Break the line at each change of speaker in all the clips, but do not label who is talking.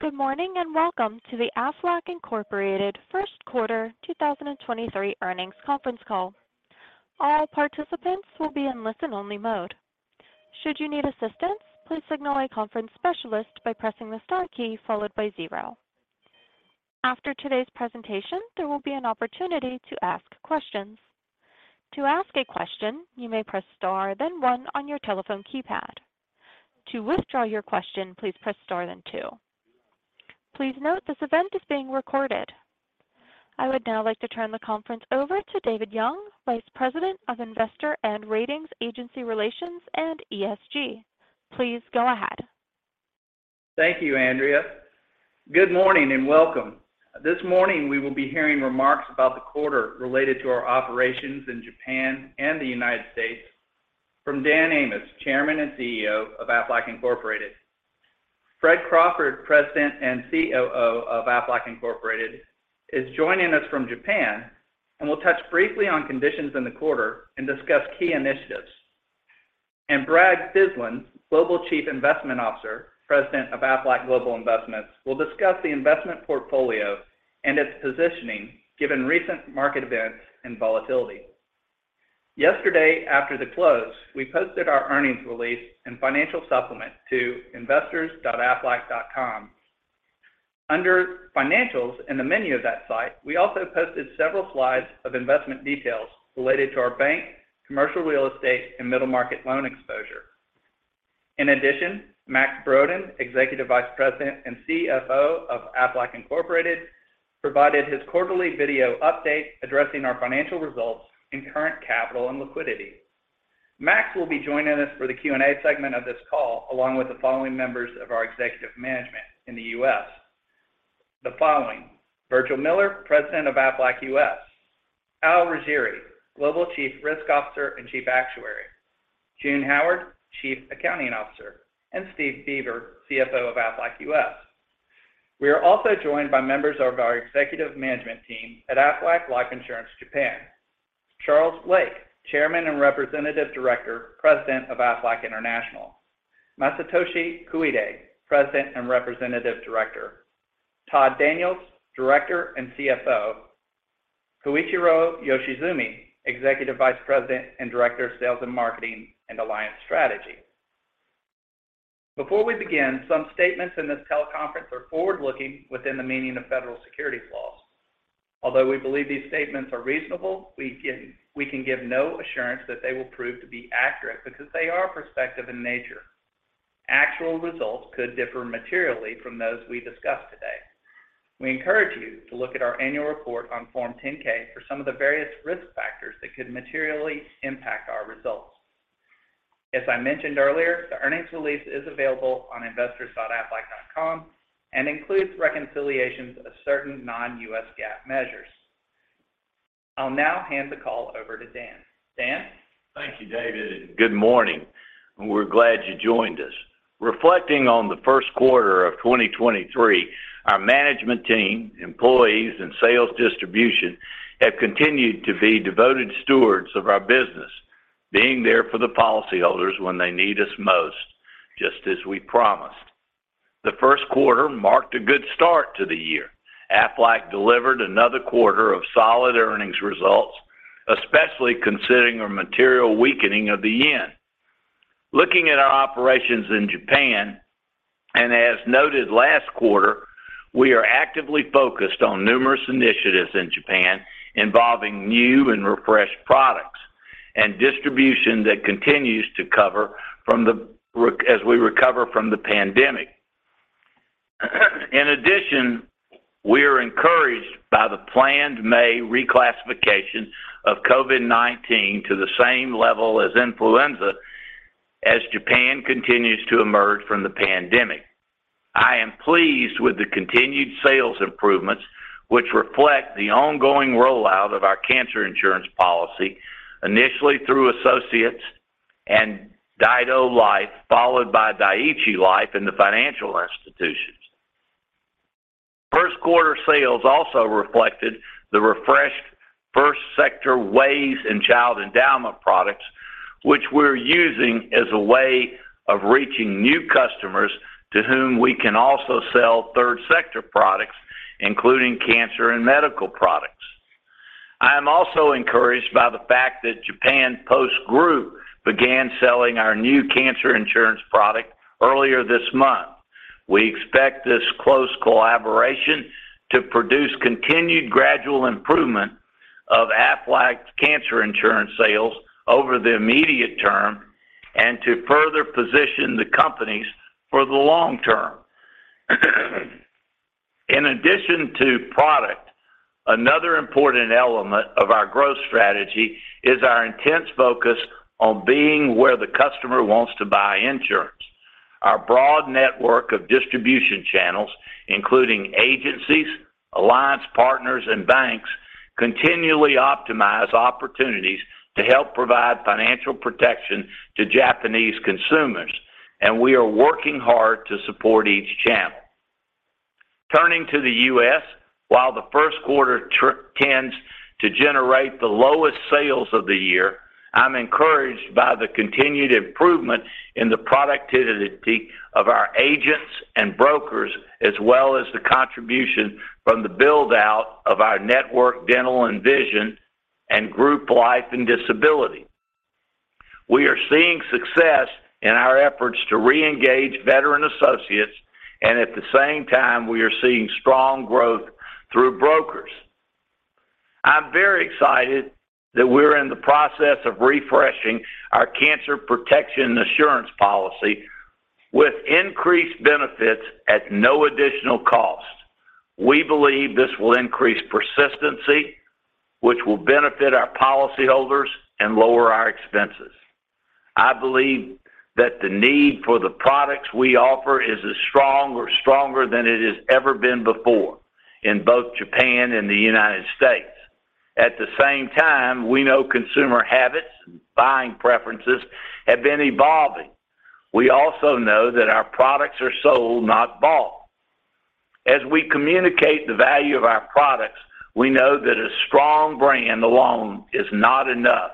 Good morning, welcome to the Aflac Incorporated First Quarter 2023 Earnings Conference Call. All participants will be in listen-only mode. Should you need assistance, please signal a conference specialist by pressing the star key followed by zero. After today's presentation, there will be an opportunity to ask questions. To ask a question, you may press star then one on your telephone keypad. To withdraw your question, please press star then two. Please note this event is being recorded. I would now like to turn the conference over to David Young, Vice President of Investor and Ratings Agency Relations and ESG. Please go ahead.
Thank you, Andrea. Good morning, and welcome. This morning, we will be hearing remarks about the quarter related to our operations in Japan and the United States from Dan Amos, Chairman and CEO of Aflac Incorporated. Fred Crawford, President and COO of Aflac Incorporated, is joining us from Japan and will touch briefly on conditions in the quarter and discuss key initiatives. Brad Dyslin, Global Chief Investment Officer, President of Aflac Global Investments, will discuss the investment portfolio and its positioning given recent market events and volatility. Yesterday, after the close, we posted our earnings release and financial supplement to investors.aflac.com. Under Financials in the menu of that site, we also posted several slides of investment details related to our bank, commercial real estate, and middle market loan exposure. In addition, Max Brodén, Executive Vice President and CFO of Aflac Incorporated, provided his quarterly video update addressing our financial results in current capital and liquidity. Max will be joining us for the Q&A segment of this call, along with the following members of our executive management in the U.S. The following, Virgil Miller, President of Aflac U.S., Al Riggieri, Global Chief Risk Officer and Chief Actuary, June Howard, Chief Accounting Officer, and Steve Beaver, CFO of Aflac U.S. We are also joined by members of our executive management team at Aflac Life Insurance Japan. Charles Lake, Chairman and Representative Director, President of Aflac International, Masatoshi Koide, President and Representative Director, Todd Daniels, Director and CFO, Koichiro Yoshizumi, Executive Vice President and Director of Sales and Marketing and Alliance Strategy. Before we begin, some statements in this teleconference are forward-looking within the meaning of federal securities laws. Although we believe these statements are reasonable, we can give no assurance that they will prove to be accurate because they are prospective in nature. Actual results could differ materially from those we discuss today. We encourage you to look at our annual report on Form 10-K for some of the various risk factors that could materially impact our results. As I mentioned earlier, the earnings release is available on investors.aflac.com and includes reconciliations of certain non-US GAAP measures. I'll now hand the call over to Dan. Dan?
Thank you, David. Good morning. We're glad you joined us. Reflecting on the first quarter of 2023, our management team, employees, and sales distribution have continued to be devoted stewards of our business, being there for the policyholders when they need us most, just as we promised. The first quarter marked a good start to the year. Aflac delivered another quarter of solid earnings results, especially considering our material weakening of the yen. Looking at our operations in Japan, as noted last quarter, we are actively focused on numerous initiatives in Japan involving new and refreshed products and distribution that continues to cover as we recover from the pandemic. We are encouraged by the planned May reclassification of COVID-19 to the same level as influenza as Japan continues to emerge from the pandemic. I am pleased with the continued sales improvements which reflect the ongoing rollout of our cancer insurance policy, initially through associates and Daido Life, followed by Dai-ichi Life in the financial institutions. First quarter sales also reflected the refreshed first sector WAYS in Child Endowment products, which we're using as a way of reaching new customers to whom we can also sell third sector products, including cancer and medical products. I am also encouraged by the fact that Japan Post Group began selling our new cancer insurance product earlier this month. We expect this close collaboration to produce continued gradual improvement of Aflac cancer insurance sales over the immediate term and to further position the companies for the long term. In addition to product, another important element of our growth strategy is our intense focus on being where the customer wants to buy insurance. Our broad network of distribution channels, including agencies, alliance partners, and banks, continually optimize opportunities to help provide financial protection to Japanese consumers, and we are working hard to support each channel. Turning to the U.S., while the first quarter tends to generate the lowest sales of the year, I'm encouraged by the continued improvement in the productivity of our agents and brokers, as well as the contribution from the build-out of our network dental and vision and group life and disability. We are seeing success in our efforts to reengage veteran associates, and at the same time, we are seeing strong growth through brokers. I'm very excited that we're in the process of refreshing our Cancer Protection Assurance policy with increased benefits at no additional cost. We believe this will increase persistency, which will benefit our policyholders and lower our expenses. I believe that the need for the products we offer is as strong or stronger than it has ever been before in both Japan and the United States. At the same time, we know consumer habits and buying preferences have been evolving. We also know that our products are sold, not bought. As we communicate the value of our products, we know that a strong brand alone is not enough.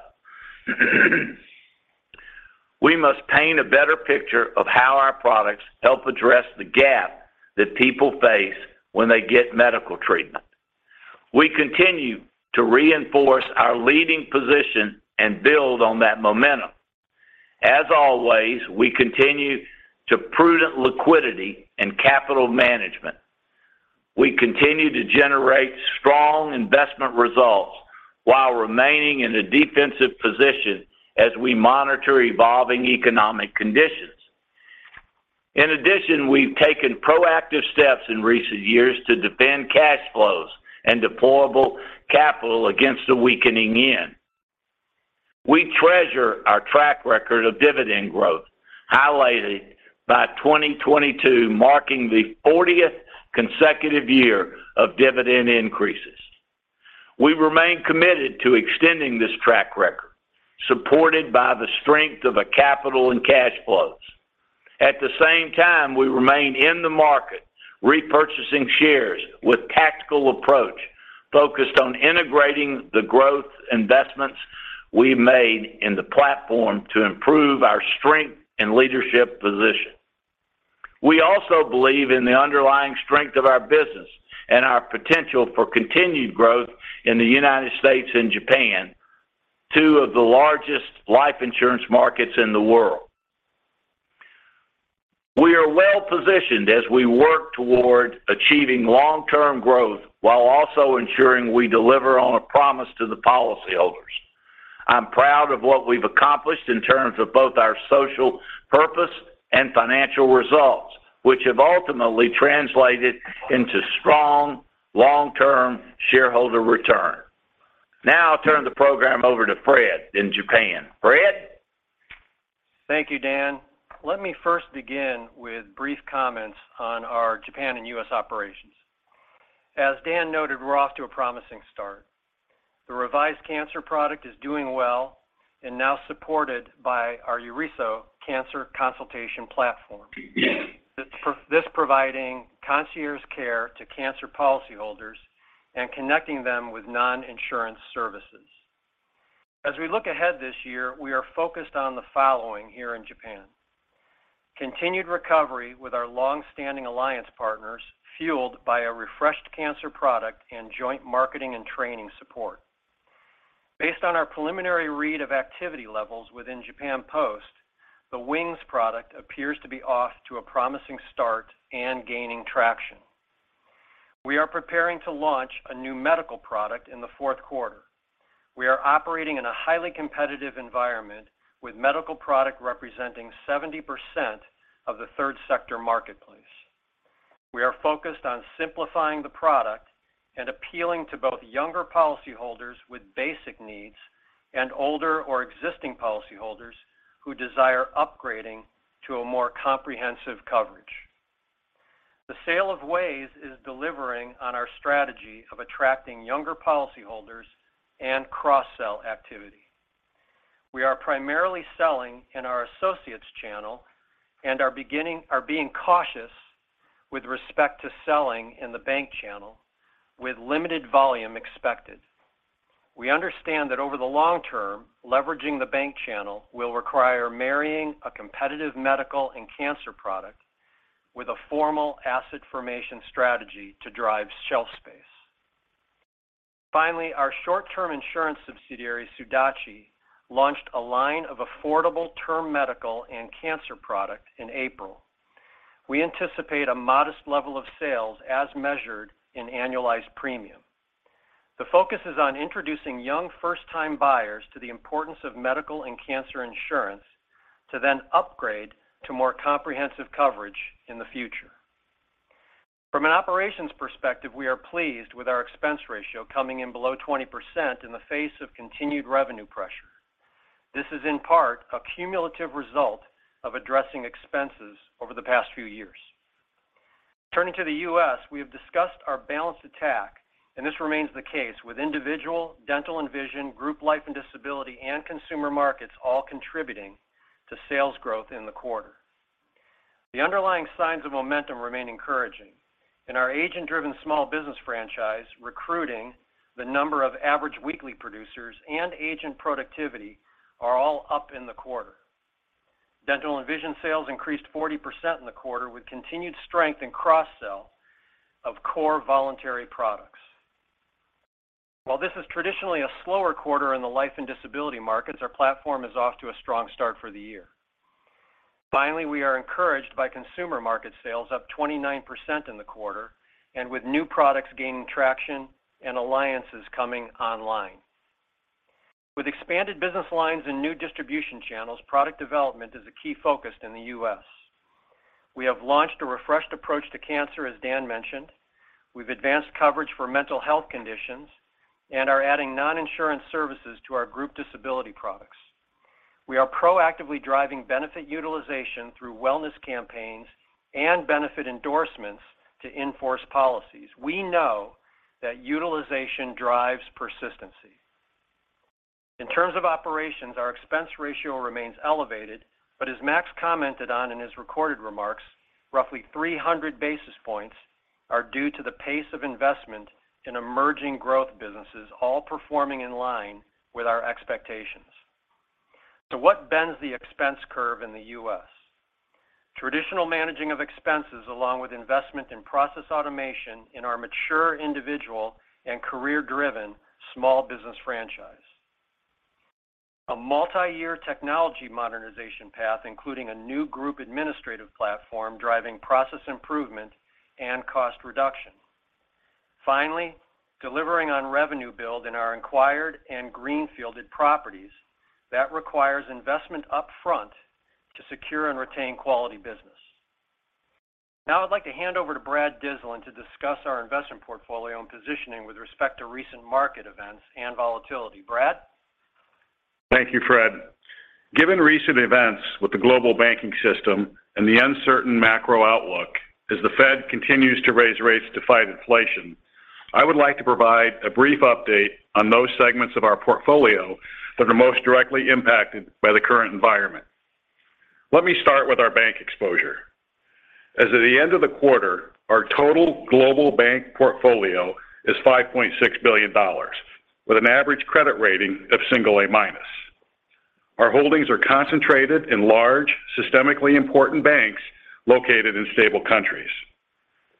We must paint a better picture of how our products help address the gap that people face when they get medical treatment. We continue to reinforce our leading position and build on that momentum. As always, we continue to prudent liquidity and capital management. We continue to generate strong investment results while remaining in a defensive position as we monitor evolving economic conditions. In addition, we've taken proactive steps in recent years to defend cash flows and deployable capital against a weakening yen. We treasure our track record of dividend growth, highlighted by 2022 marking the 40th consecutive year of dividend increases. We remain committed to extending this track record, supported by the strength of the capital and cash flows. At the same time, we remain in the market, repurchasing shares with tactical approach, focused on integrating the growth investments we made in the platform to improve our strength and leadership position. We also believe in the underlying strength of our business and our potential for continued growth in the U.S. and Japan, two of the largest life insurance markets in the world. We are well-positioned as we work toward achieving long-term growth while also ensuring we deliver on a promise to the policyholders. I'm proud of what we've accomplished in terms of both our social purpose and financial results, which have ultimately translated into strong long-term shareholder return. I'll turn the program over to Fred in Japan. Fred?
Thank you, Dan. Let me first begin with brief comments on our Japan and U.S. operations. As Dan noted, we're off to a promising start. The revised cancer product is doing well and now supported by our Yorisou cancer consultation platform, this providing concierge care to cancer policyholders and connecting them with non-insurance services. As we look ahead this year, we are focused on the following here in Japan: Continued recovery with our long-standing alliance partners, fueled by a refreshed cancer product and joint marketing and training support. Based on our preliminary read of activity levels within Japan Post, the WINGS product appears to be off to a promising start and gaining traction. We are preparing to launch a new medical product in the fourth quarter. We are operating in a highly competitive environment with medical product representing 70% of the third sector marketplace. We are focused on simplifying the product and appealing to both younger policyholders with basic needs and older or existing policyholders who desire upgrading to a more comprehensive coverage. The sale of WAYS is delivering on our strategy of attracting younger policyholders and cross-sell activity. We are primarily selling in our associates channel and are being cautious with respect to selling in the bank channel with limited volume expected. We understand that over the long term, leveraging the bank channel will require marrying a competitive medical and cancer product with a formal asset formation strategy to drive shelf space. Finally, our short-term insurance subsidiary, SUDACHI, launched a line of affordable term medical and cancer product in April. We anticipate a modest level of sales as measured in annualized premium. The focus is on introducing young first-time buyers to the importance of medical and cancer insurance to then upgrade to more comprehensive coverage in the future. From an operations perspective, we are pleased with our expense ratio coming in below 20% in the face of continued revenue pressure. This is in part a cumulative result of addressing expenses over the past few years. Turning to the U.S., we have discussed our balanced attack, and this remains the case with individual, dental and vision, group life and disability, and consumer markets all contributing to sales growth in the quarter. The underlying signs of momentum remain encouraging. In our agent-driven small business franchise, recruiting the number of average weekly producers and agent productivity are all up in the quarter. Dental and vision sales increased 40% in the quarter with continued strength in cross-sell of core voluntary products. While this is traditionally a slower quarter in the life and disability markets, our platform is off to a strong start for the year. We are encouraged by consumer market sales up 29% in the quarter and with new products gaining traction and alliances coming online. With expanded business lines and new distribution channels, product development is a key focus in the U.S. We have launched a refreshed approach to cancer, as Dan mentioned. We've advanced coverage for mental health conditions and are adding non-insurance services to our group disability products. We are proactively driving benefit utilization through wellness campaigns and benefit endorsements to in-force policies. We know that utilization drives persistency. In terms of operations, our expense ratio remains elevated, but as Max Brodén commented on in his recorded remarks, roughly 300 basis points are due to the pace of investment in emerging growth businesses all performing in line with our expectations. What bends the expense curve in the U.S.? Traditional managing of expenses along with investment in process automation in our mature individual and career-driven small business franchise. A multi-year technology modernization path, including a new group administrative platform driving process improvement and cost reduction. Finally, delivering on revenue build in our acquired and greenfielded properties that requires investment upfront to secure and retain quality business. I'd like to hand over to Brad Dyslin to discuss our investment portfolio and positioning with respect to recent market events and volatility. Brad?
Thank you, Fred. Given recent events with the global banking system and the uncertain macro outlook as the Fed continues to raise rates to fight inflation, I would like to provide a brief update on those segments of our portfolio that are most directly impacted by the current environment. Let me start with our bank exposure. As at the end of the quarter, our total global bank portfolio is $5.6 billion, with an average credit rating of single A-minus. Our holdings are concentrated in large, systemically important banks located in stable countries.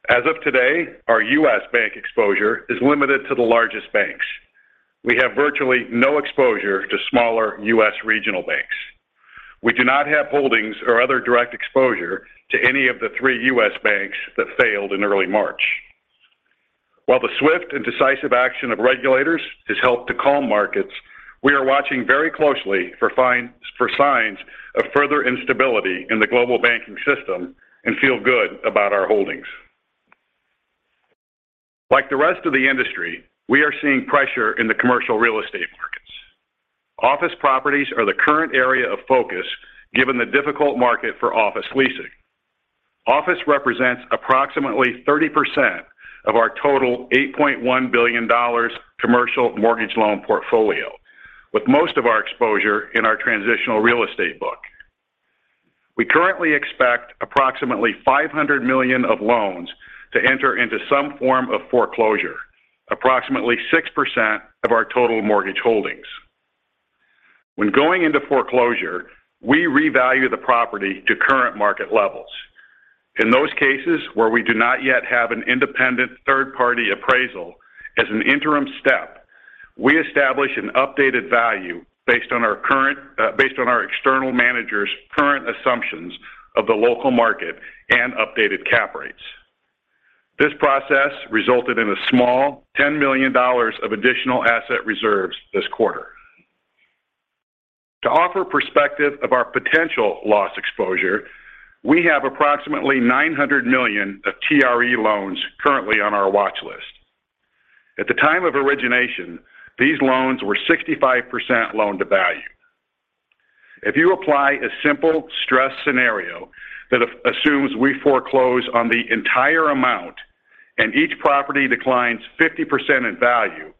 As of today, our US bank exposure is limited to the largest banks. We have virtually no exposure to smaller U.S. regional banks. We do not have holdings or other direct exposure to any of the three US banks that failed in early March. While the swift and decisive action of regulators has helped to calm markets, we are watching very closely for signs of further instability in the global banking system and feel good about our holdings. Like the rest of the industry, we are seeing pressure in the commercial real estate markets. Office properties are the current area of focus given the difficult market for office leasing. Office represents approximately 30% of our total $8.1 billion commercial mortgage loan portfolio, with most of our exposure in our transitional real estate book. We currently expect approximately $500 million of loans to enter into some form of foreclosure, approximately 6% of our total mortgage holdings. When going into foreclosure, we revalue the property to current market levels. In those cases where we do not yet have an independent third-party appraisal as an interim step, we establish an updated value based on our current, based on our external manager's current assumptions of the local market and updated cap rates. This process resulted in a small $10 million of additional asset reserves this quarter. To offer perspective of our potential loss exposure, we have approximately $900 million of TRE loans currently on our watch list. At the time of origination, these loans were 65% loan-to-value. If you apply a simple stress scenario that assumes we foreclose on the entire amount and each property declines 50% in value,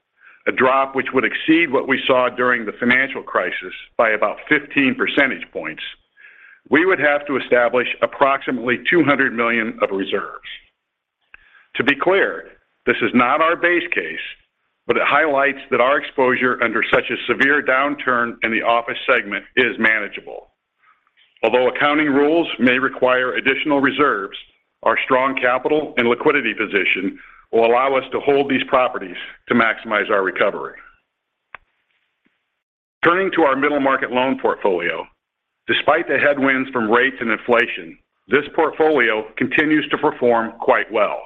a drop which would exceed what we saw during the financial crisis by about 15 percentage points, we would have to establish approximately $200 million of reserves. To be clear, this is not our base case. It highlights that our exposure under such a severe downturn in the office segment is manageable. Although accounting rules may require additional reserves, our strong capital and liquidity position will allow us to hold these properties to maximize our recovery. Turning to our middle market loan portfolio, despite the headwinds from rates and inflation, this portfolio continues to perform quite well.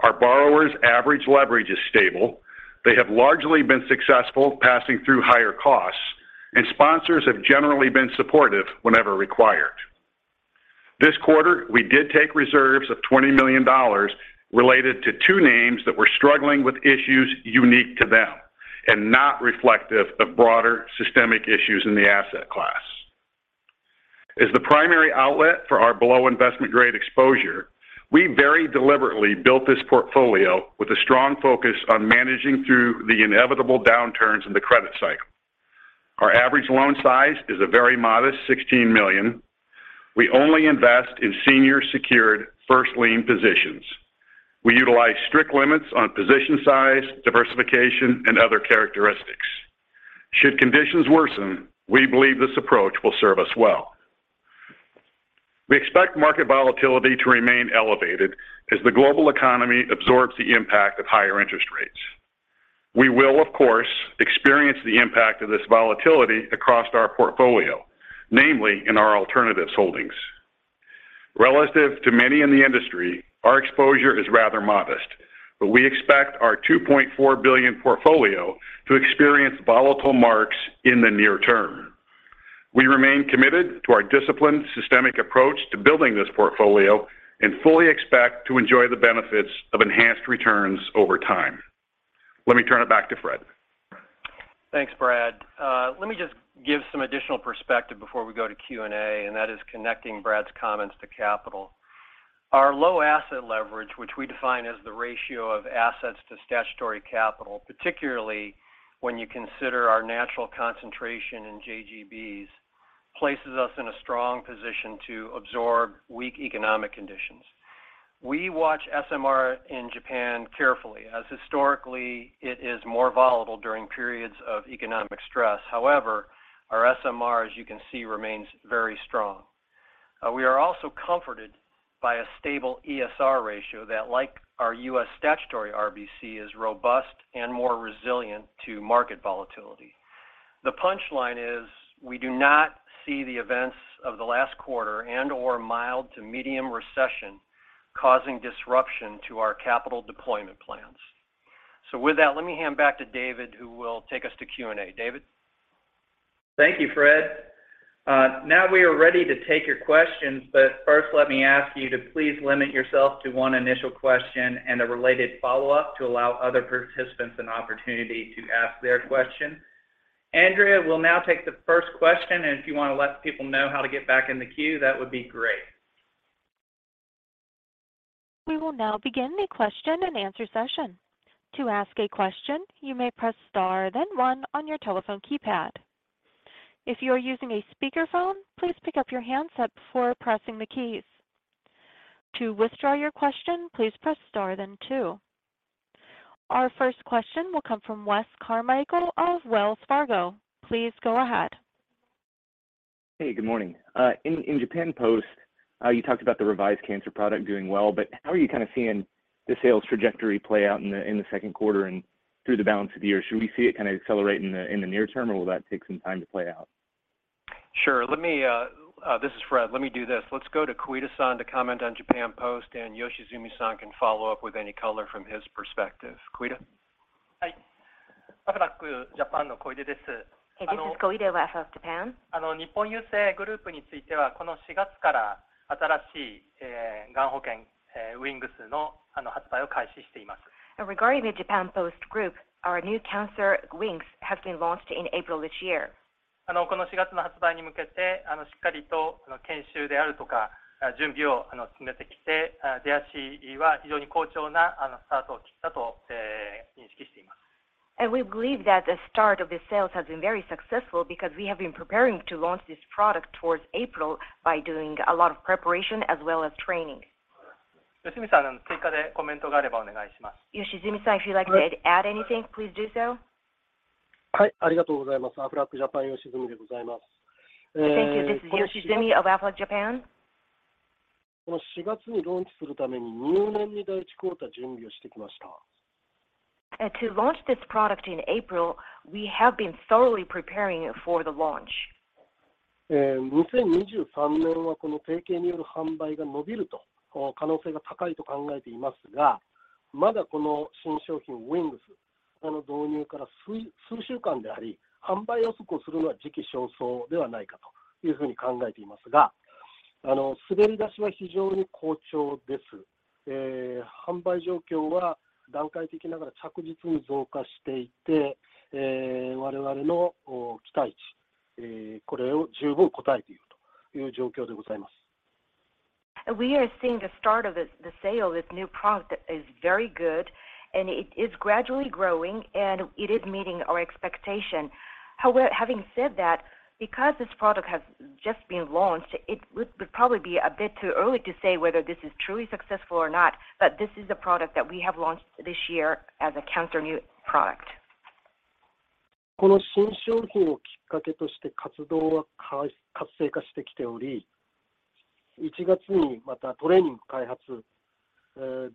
Our borrowers' average leverage is stable. They have largely been successful passing through higher costs. Sponsors have generally been supportive whenever required. This quarter, we did take reserves of $20 million related to two names that were struggling with issues unique to them and not reflective of broader systemic issues in the asset class. As the primary outlet for our below-investment-grade exposure. We very deliberately built this portfolio with a strong focus on managing through the inevitable downturns in the credit cycle. Our average loan size is a very modest $16 million. We only invest in senior secured first lien positions. We utilize strict limits on position size, diversification, and other characteristics. Should conditions worsen, we believe this approach will serve us well. We expect market volatility to remain elevated as the global economy absorbs the impact of higher interest rates. We will, of course, experience the impact of this volatility across our portfolio, namely in our alternatives holdings. Relative to many in the industry, our exposure is rather modest, but we expect our $2.4 billion portfolio to experience volatile marks in the near term. We remain committed to our disciplined, systemic approach to building this portfolio and fully expect to enjoy the benefits of enhanced returns over time. Let me turn it back to Fred.
Thanks, Brad. Let me just give some additional perspective before we go to Q&A, and that is connecting Brad's comments to capital. Our low asset leverage, which we define as the ratio of assets to statutory capital, particularly when you consider our natural concentration in JGBs, places us in a strong position to absorb weak economic conditions. We watch SMR in Japan carefully, as historically it is more volatile during periods of economic stress. However, our SMR, as you can see, remains very strong. We are also comforted by a stable ESR ratio that, like our U.S. statutory RBC, is robust and more resilient to market volatility. The punchline is we do not see the events of the last quarter and/or mild to medium recession causing disruption to our capital deployment plans. With that, let me hand back to David, who will take us to Q&A. David?
Thank you, Fred. Now we are ready to take your questions, but first let me ask you to please limit yourself to one initial question and a related follow-up to allow other participants an opportunity to ask their question. Andrea will now take the first question, and if you want to let people know how to get back in the queue, that would be great.
We will now begin the question and answer session. To ask a question, you may press star then one on your telephone keypad. If you are using a speakerphone, please pick up your handset before pressing the keys. To withdraw your question, please press star then two. Our first question will come from Wes Carmichael of Wells Fargo. Please go ahead.
Hey, good morning. In Japan Post, you talked about the revised cancer product doing well, how are you kind of seeing the sales trajectory play out in the second quarter and through the balance of the year? Should we see it kind of accelerate in the near term, or will that take some time to play out?
Sure. Let me, this is Fred. Let me do this. Let's go to Koide-san to comment on Japan Post, and Yoshizumi-san can follow up with any color from his perspective. Koide?
Hi. This is Koide of Japan. Regarding the Japan Post Group, our new cancer WINGS have been launched in April this year. We believe that the start of the sales has been very successful because we have been preparing to launch this product towards April by doing a lot of preparation as well as training. Yoshizumi-san, if you'd like to add anything, please do so.
Thank you. This is Yoshizumi of Aflac Japan. To launch this product in April, we have been thoroughly preparing for the launch. We are seeing the start of the sale of this new product is very good, and it is gradually growing, and it is meeting our expectation. Having said that, because this product has just been launched, it would probably be a bit too early to say whether this is truly successful or not. This is a product that we have launched this year as a cancer new product. I do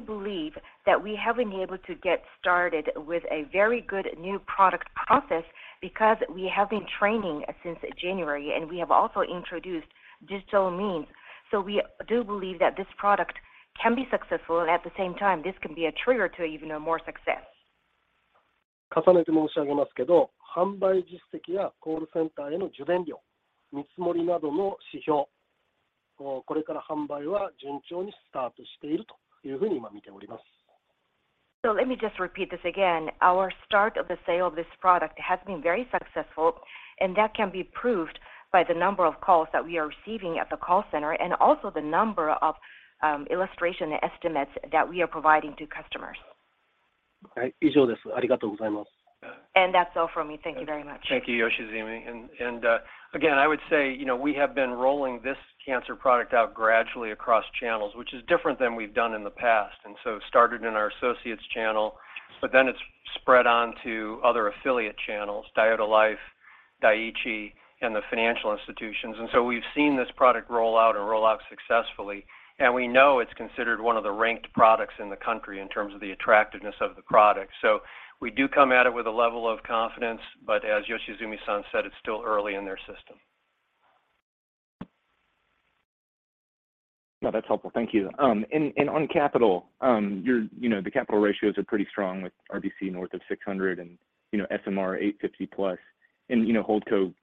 believe that we have been able to get started with a very good new product process because we have been training since January, and we have also introduced digital means. We do believe that this product can be successful, and at the same time this can be a trigger to even more success. Let me just repeat this again. Our start of the sale of this product has been very successful, and that can be proved by the number of calls that we are receiving at the call center and also the number of illustration estimates that we are providing to customers. That's all from me. Thank you very much.
Thank you, Yoshizumi. Again, I would say, you know, we have been rolling this cancer product out gradually across channels, which is different than we've done in the past. Started in our associates channel, then it's spread on to other affiliate channels, Daido Life, Dai-ichi, and the financial institutions. We've seen this product roll out successfully, and we know it's considered one of the ranked products in the country in terms of the attractiveness of the product. We do come at it with a level of confidence. As Yoshizumi-san said, it's still early in their system.
No, that's helpful. Thank you. On capital, the capital ratios are pretty strong with RBC north of 600 and SMR 850+ and Holdco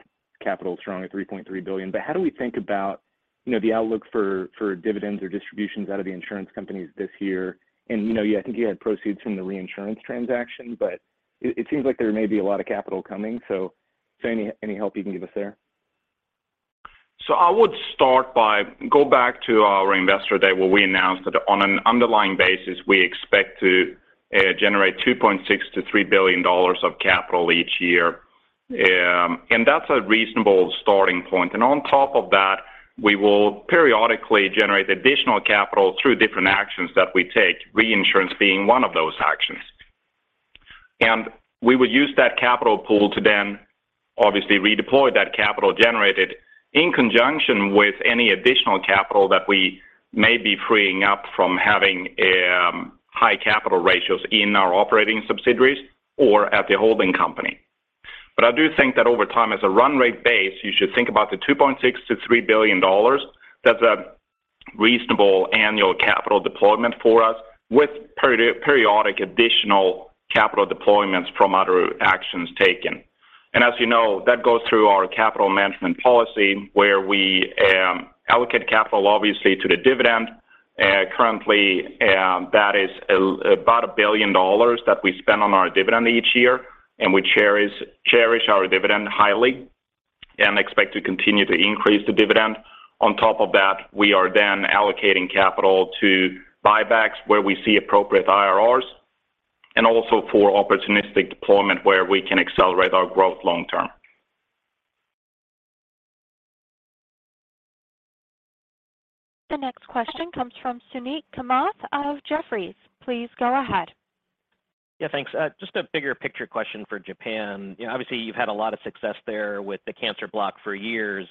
Capital strong at $3.3 billion. How do we think about the outlook for dividends or distributions out of the insurance companies this year? I think you had proceeds from the reinsurance transaction, but it seems like there may be a lot of capital coming, so is there any help you can give us there?
I would start by go back to our investor day where we announced that on an underlying basis we expect to generate $2.6 billion-$3 billion of capital each year. That's a reasonable starting point. On top of that, we will periodically generate additional capital through different actions that we take, reinsurance being one of those actions. We will use that capital pool to then obviously redeploy that capital generated in conjunction with any additional capital that we may be freeing up from having high capital ratios in our operating subsidiaries or at the holding company. I do think that over time, as a run rate base, you should think about the $2.6 billion-$3 billion. That's a reasonable annual capital deployment for us with period-periodic additional capital deployments from other actions taken. As you know, that goes through our capital management policy where we allocate capital obviously to the dividend. Currently, that is about $1 billion that we spend on our dividend each year. We cherish our dividend highly and expect to continue to increase the dividend. On top of that, we are then allocating capital to buybacks where we see appropriate IRRs and also for opportunistic deployment where we can accelerate our growth long term.
The next question comes from Suneet Kamath of Jefferies. Please go ahead.
Yeah, thanks. Just a bigger picture question for Japan. You know, obviously you've had a lot of success there with the cancer block for years,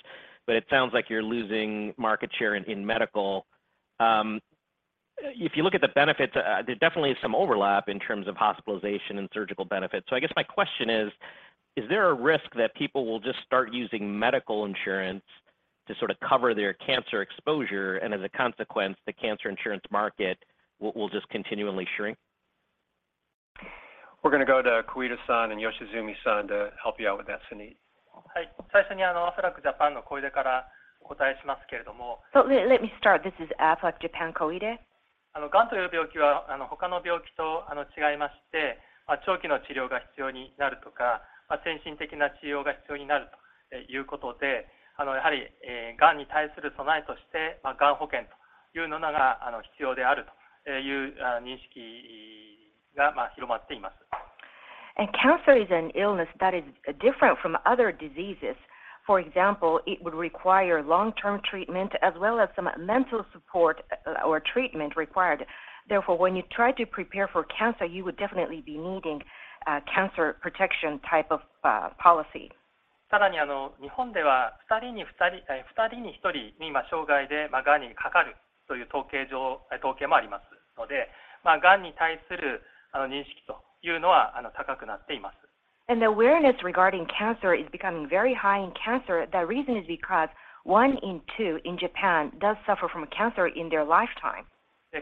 but it sounds like you're losing market share in medical. If you look at the benefits, there definitely is some overlap in terms of hospitalization and surgical benefits. I guess my question is: Is there a risk that people will just start using medical insurance to sort of cover their cancer exposure and as a consequence, the cancer insurance market will just continually shrink?
We're gonna go to Koide-san and Yoshizumi-san to help you out with that, Suneet.
Let me start. This is Aflac Japan Koide. Cancer is an illness that is different from other diseases. For example, it would require long-term treatment as well as some mental support or treatment required. Therefore, when you try to prepare for cancer, you would definitely be needing a cancer protection type of policy. The awareness regarding cancer is becoming very high in cancer. The reason is because one in two in Japan does suffer from cancer in their lifetime. By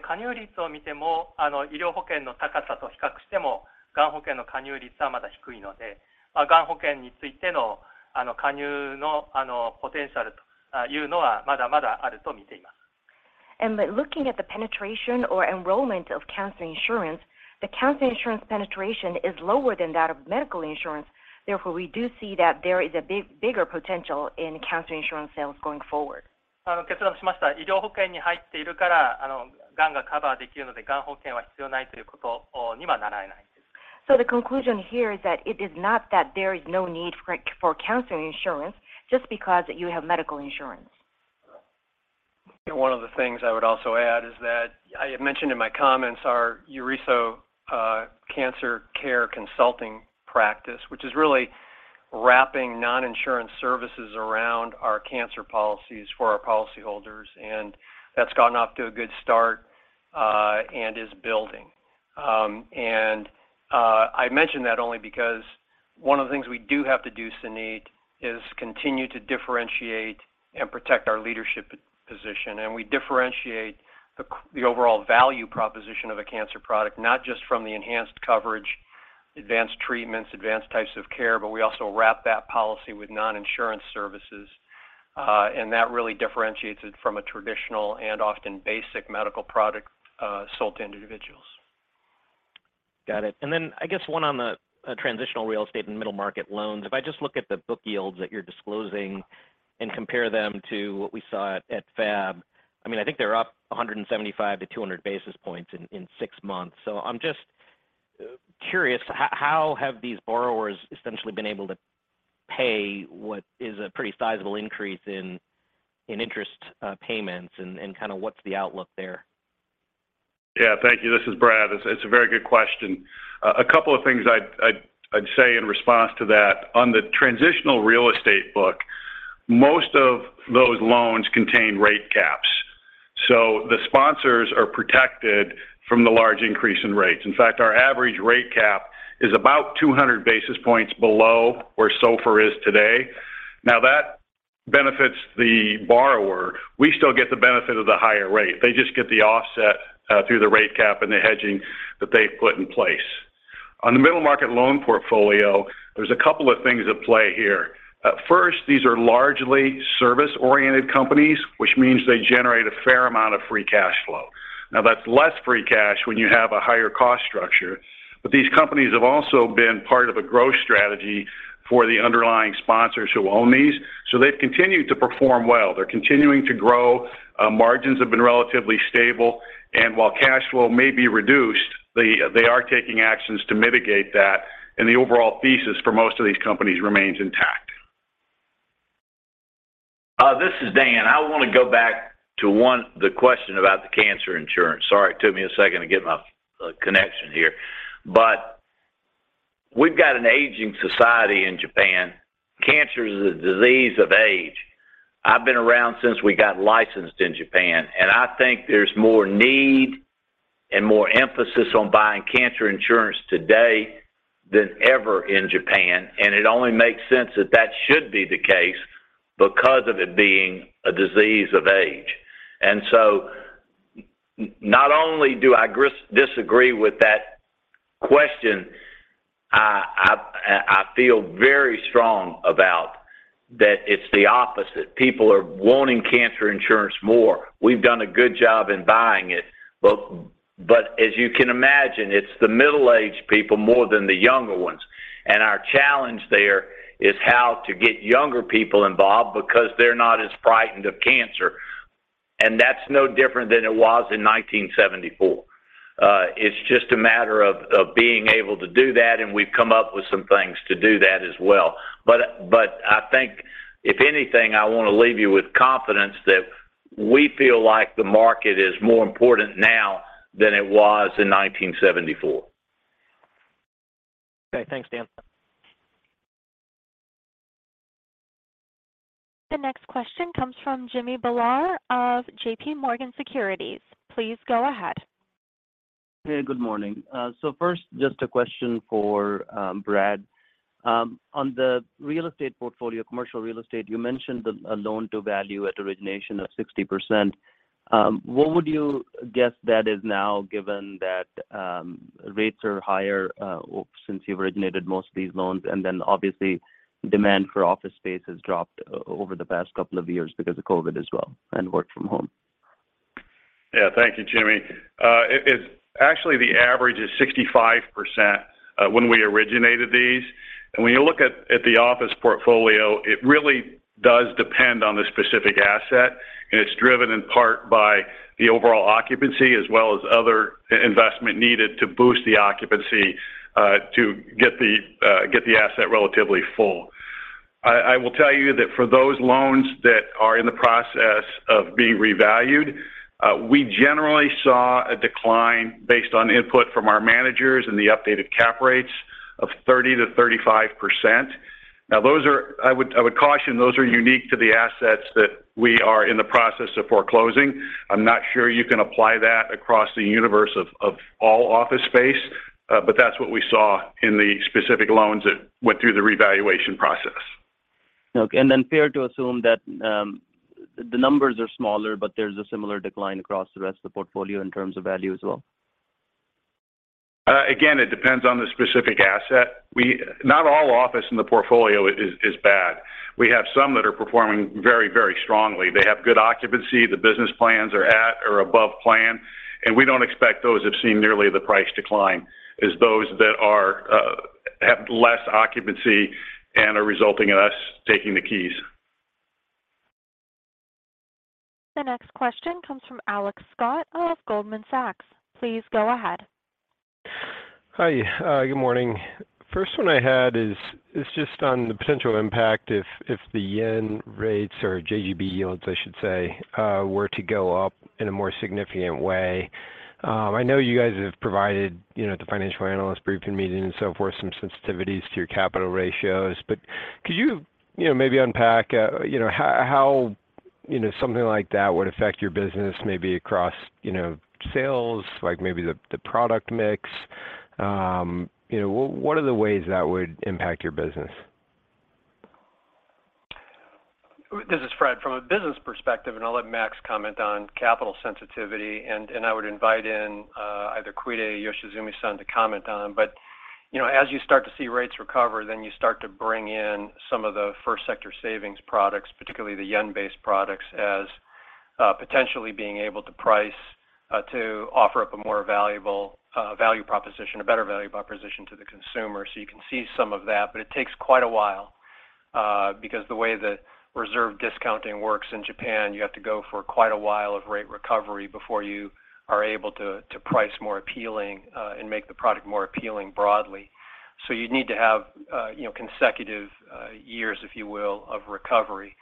looking at the penetration or enrollment of cancer insurance, the cancer insurance penetration is lower than that of medical insurance. Therefore, we do see that there is a bigger potential in cancer insurance sales going forward. The conclusion here is that it is not that there is no need for cancer insurance just because you have medical insurance.
One of the things I would also add is that I had mentioned in my comments our Yorisou cancer care consulting practice, which is really wrapping non-insurance services around our cancer policies for our policy holders, that's gotten off to a good start, and is building. I mention that only because one of the things we do have to do, Suneet, is continue to differentiate and protect our leadership position. We differentiate the overall value proposition of a cancer product, not just from the enhanced coverage, advanced treatments, advanced types of care, but we also wrap that policy with non-insurance services. That really differentiates it from a traditional and often basic medical product, sold to individuals.
Got it. I guess one on the transitional real estate and middle market loans. If I just look at the book yields that you're disclosing and compare them to what we saw at FAB, I mean, I think they're up 175-200 basis points in six months. I'm just curious, how have these borrowers essentially been able to pay what is a pretty sizable increase in interest payments and kind of what's the outlook there?
Thank you. This is Brad. It's a very good question. A couple of things I'd say in response to that. On the transitional real estate book, most of those loans contain rate caps. The sponsors are protected from the large increase in rates. In fact, our average rate cap is about 200 basis points below where SOFR is today. That benefits the borrower. We still get the benefit of the higher rate. They just get the offset through the rate cap and the hedging that they've put in place. On the middle market loan portfolio, there's a couple of things at play here. First, these are largely service-oriented companies, which means they generate a fair amount of free cash flow. Now, that's less free cash when you have a higher cost structure, but these companies have also been part of a growth strategy for the underlying sponsors who own these, so they've continued to perform well. They're continuing to grow. Margins have been relatively stable, and while cash flow may be reduced, they are taking actions to mitigate that, and the overall thesis for most of these companies remains intact.
This is Dan Amos. I want to go back to the question about the cancer insurance. Sorry, it took me a second to get my connection here. We've got an aging society in Japan. Cancer is a disease of age. I've been around since we got licensed in Japan, and I think there's more need and more emphasis on buying cancer insurance today than ever in Japan. It only makes sense that that should be the case because of it being a disease of age. Not only do I disagree with that question, I feel very strong about that it's the opposite. People are wanting cancer insurance more. We've done a good job in buying it, but as you can imagine, it's the middle-aged people more than the younger ones. Our challenge there is how to get younger people involved because they're not as frightened of cancer, and that's no different than it was in 1974. It's just a matter of being able to do that, and we've come up with some things to do that as well. But I think if anything, I want to leave you with confidence that we feel like the market is more important now than it was in 1974.
Okay. Thanks, Dan.
The next question comes from Jimmy Bhullar of JPMorgan Securities. Please go ahead.
Hey, good morning. First, just a question for Brad. On the real estate portfolio, commercial real estate, you mentioned the, a loan-to-value at origination of 60%. What would you guess that is now given that rates are higher since you've originated most of these loans? Obviously demand for office space has dropped over the past couple of years because of COVID as well and work from home.
Yeah. Thank you, Jimmy. actually, the average is 65% when we originated these. When you look at the office portfolio, it really does depend on the specific asset, and it's driven in part by the overall occupancy as well as other investment needed to boost the occupancy to get the asset relatively full. I will tell you that for those loans that are in the process of being revalued, we generally saw a decline based on input from our managers and the updated cap rates of 30%-35%. I would caution those are unique to the assets that we are in the process of foreclosing. I'm not sure you can apply that across the universe of all office space, but that's what we saw in the specific loans that went through the revaluation process.
Okay. Fair to assume that the numbers are smaller, but there's a similar decline across the rest of the portfolio in terms of value as well?
Again, it depends on the specific asset. Not all office in the portfolio is bad. We have some that are performing very, very strongly. They have good occupancy. The business plans are at or above plan, and we don't expect those have seen nearly the price decline as those that are have less occupancy and are resulting in us taking the keys.
The next question comes from Alex Scott of Goldman Sachs. Please go ahead.
Hi. Good morning. First one I had is just on the potential impact if the yen rates or JGB yields, I should say, were to go up in a more significant way. I know you guys have provided, you know, at the Financial Analysts Briefing meeting and so forth, some sensitivities to your capital ratios. Could you know, maybe unpack, you know, how, you know, something like that would affect your business maybe across, you know, sales, like maybe the product mix? You know, what are the ways that would impact your business?
This is Fred. From a business perspective, and I'll let Max comment on capital sensitivity, and I would invite in either Koide or Yoshizumi-san to comment on, but you know, as you start to see rates recover, then you start to bring in some of the first sector savings products, particularly the yen-based products, as potentially being able to price to offer up a more valuable value proposition, a better value proposition to the consumer. You can see some of that, but it takes quite a while, because the way that reserve discounting works in Japan, you have to go for quite a while of rate recovery before you are able to to price more appealing and make the product more appealing broadly. You need to have, you know, consecutive years, if you will, of recovery.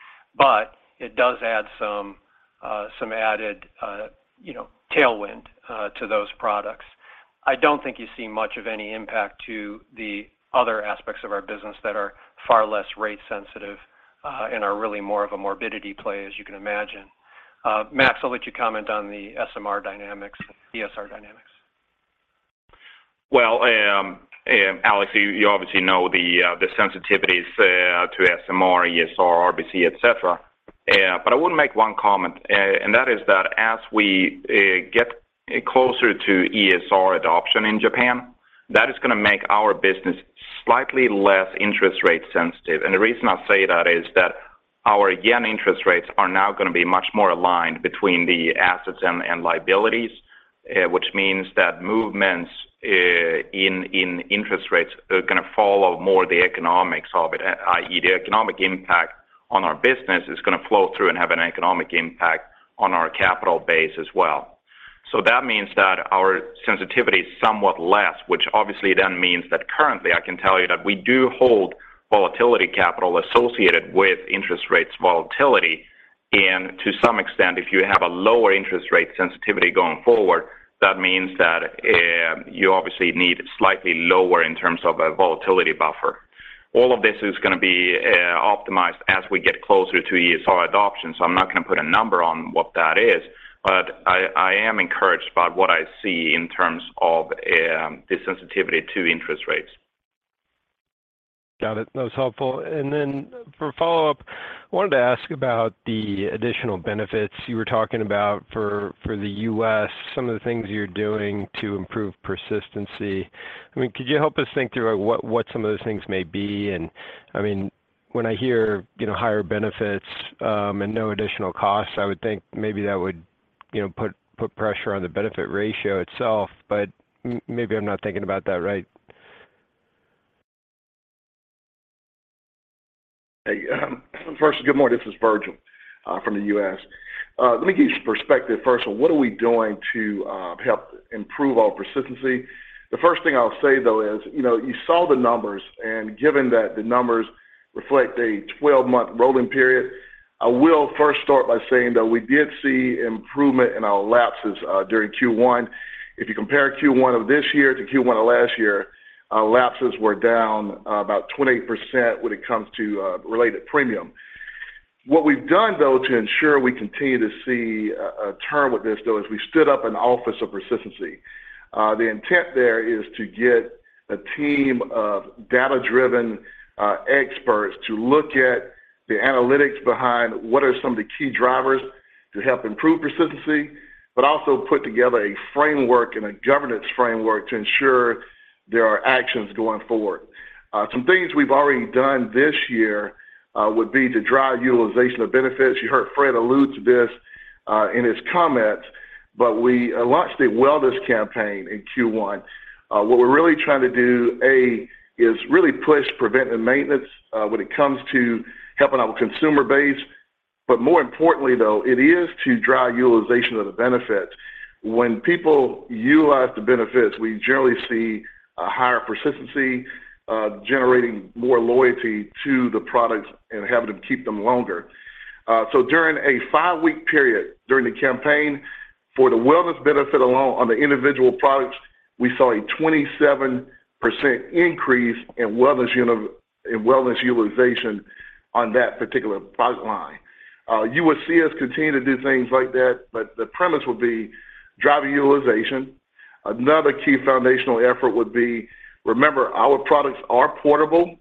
It does add some added, you know, tailwind, to those products. I don't think you see much of any impact to the other aspects of our business that are far less rate sensitive, and are really more of a morbidity play, as you can imagine. Max, I'll let you comment on the SMR dynamics, ESR dynamics.
Well, Alex, you obviously know the sensitivities to SMR, ESR, RBC, et cetera. I would make one comment. That is that as we get closer to ESR adoption in Japan, that is gonna make our business slightly less interest rate sensitive. The reason I say that is that our yen interest rates are now gonna be much more aligned between the assets and liabilities, which means that movements in interest rates are gonna follow more the economics of it, i.e., the economic impact on our business is gonna flow through and have an economic impact on our capital base as well. That means that our sensitivity is somewhat less, which obviously then means that currently I can tell you that we do hold volatility capital associated with interest rates volatility, and to some extent, if you have a lower interest rate sensitivity going forward, that means that you obviously need slightly lower in terms of a volatility buffer. All of this is gonna be optimized as we get closer to ESR adoption, so I'm not gonna put a number on what that is, but I am encouraged by what I see in terms of the sensitivity to interest rates.
Got it. That was helpful. For follow-up, wanted to ask about the additional benefits you were talking about for the U.S., some of the things you're doing to improve persistency. I mean, could you help us think through what some of those things may be? I mean, when I hear, you know, higher benefits, and no additional costs, I would think maybe that would, you know, put pressure on the benefit ratio itself, but maybe I'm not thinking about that right.
Hey, first, good morning. This is Virgil from the U.S. Let me give you some perspective first on what are we doing to help improve our persistency. The first thing I'll say, though, is, you know, you saw the numbers, and given that the numbers reflect a 12-month rolling period, I will first start by saying that we did see improvement in our lapses during Q1. If you compare Q1 of this year to Q1 of last year, our lapses were down about 28% when it comes to related premium. What we've done, though, to ensure we continue to see a term with this, though, is we stood up an office of persistency. s to get a team of data-driven experts to look at the analytics behind what are some of the key drivers to help improve persistency, but also put together a framework and a governance framework to ensure there are actions going forward. Some things we've already done this year would be to drive utilization of benefits. You heard Fred allude to this in his comments, but we launched a wellness campaign in Q1. What we're really trying to do, A, is really push preventive maintenance when it comes to helping our consumer base. But more importantly, though, it is to drive utilization of the benefits. When people utilize the benefits, we generally see a higher persistency, generating more loyalty to the products and having them keep them longer. During a five-week period during the campaign for the wellness benefit alone on the individual products, we saw a 27% increase in wellness utilization on that particular product line. You will see us continue to do things like that, but the premise will be driving utilization. Another key foundational effort would be, remember, our products are portable.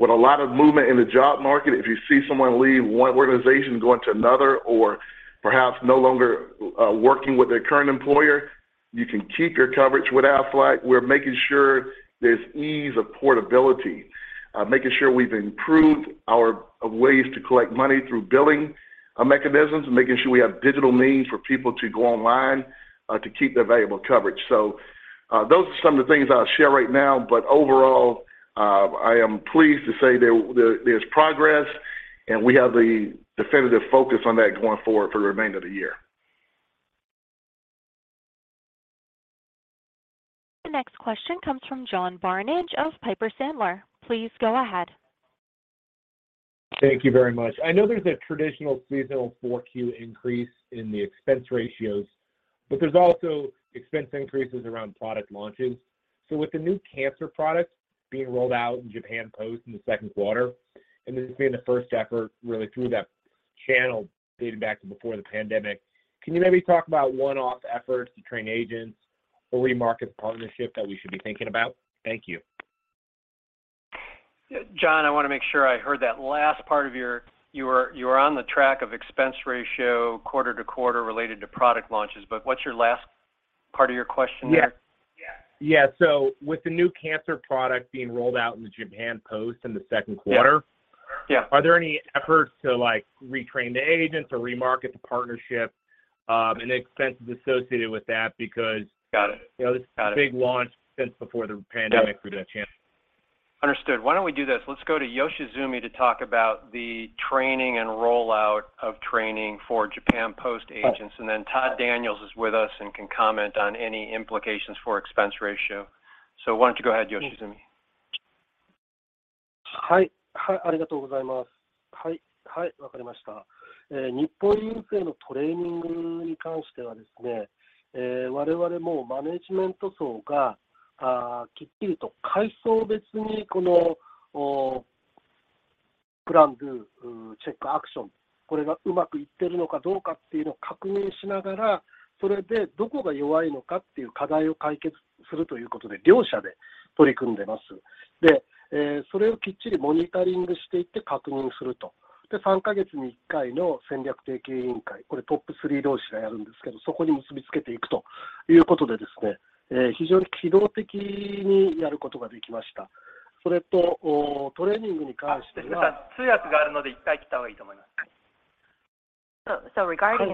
With a lot of movement in the job market, if you see someone leave one organization going to another or perhaps no longer, working with their current employer, you can keep your coverage with Aflac. We're making sure there's ease of portability, making sure we've improved our ways to collect money through billing mechanisms and making sure we have digital means for people to go online, to keep their valuable coverage. Those are some of the things I'll share right now. Overall, I am pleased to say there's progress, and we have the definitive focus on that going forward for the remainder of the year.
The next question comes from John Barnidge of Piper Sandler. Please go ahead.
Thank you very much. I know there's a traditional seasonal 4Q increase in the expense ratios. There's also expense increases around product launches. With the new cancer products being rolled out in Japan Post in the 2Q, and this being the first effort really through that channel dating back to before the pandemic, can you maybe talk about one-off efforts to train agents or remarket the partnership that we should be thinking about? Thank you.
John, I want to make sure I heard that last part of You were on the track of expense ratio quarter to quarter related to product launches, but what's your last part of your question there?
Yes. Yes. With the new cancer product being rolled out in the Japan Post in the second quarter-
Yes.
are there any efforts to, like, retrain the agents or remarket the partnership, and the expenses associated with that because...
Got it.
you know, this is a big launch since before the pandemic for Japan.
Understood. Why don't we do this? Let's go to Yoshizumi to talk about the training and rollout of training for Japan Post agents, and then Todd Daniels is with us and can comment on any implications for expense ratio. Why don't you go ahead, Yoshizumi.
Regarding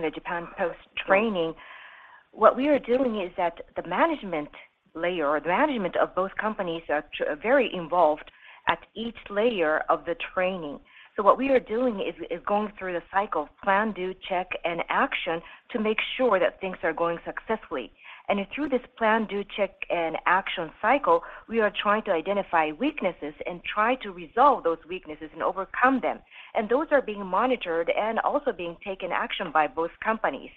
the Japan Post training, what we are doing is that the management layer or the management of both companies are very involved at each layer of the training. What we are doing is going through the cycle plan, do, check, and action to make sure that things are going successfully. Through this plan, do, check, and action cycle, we are trying to identify weaknesses and try to resolve those weaknesses and overcome them. Those are being monitored and also being taken action by both companies.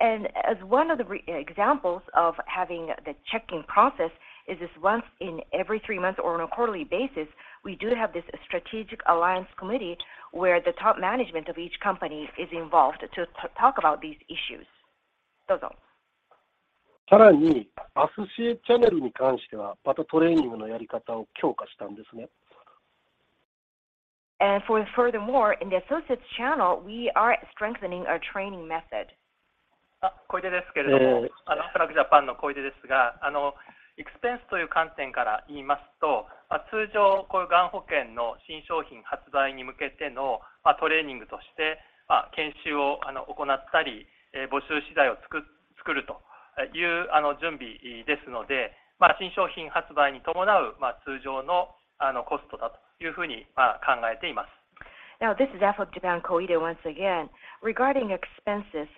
As one of the examples of having the checking process is this once in every three months or on a quarterly basis, we do have this strategic alliance committee where the top management of each company is involved to talk about these issues. Furthermore, in the associates channel, we are strengthening our training method.
This is Aflac Japan Koide once again. Regarding expenses,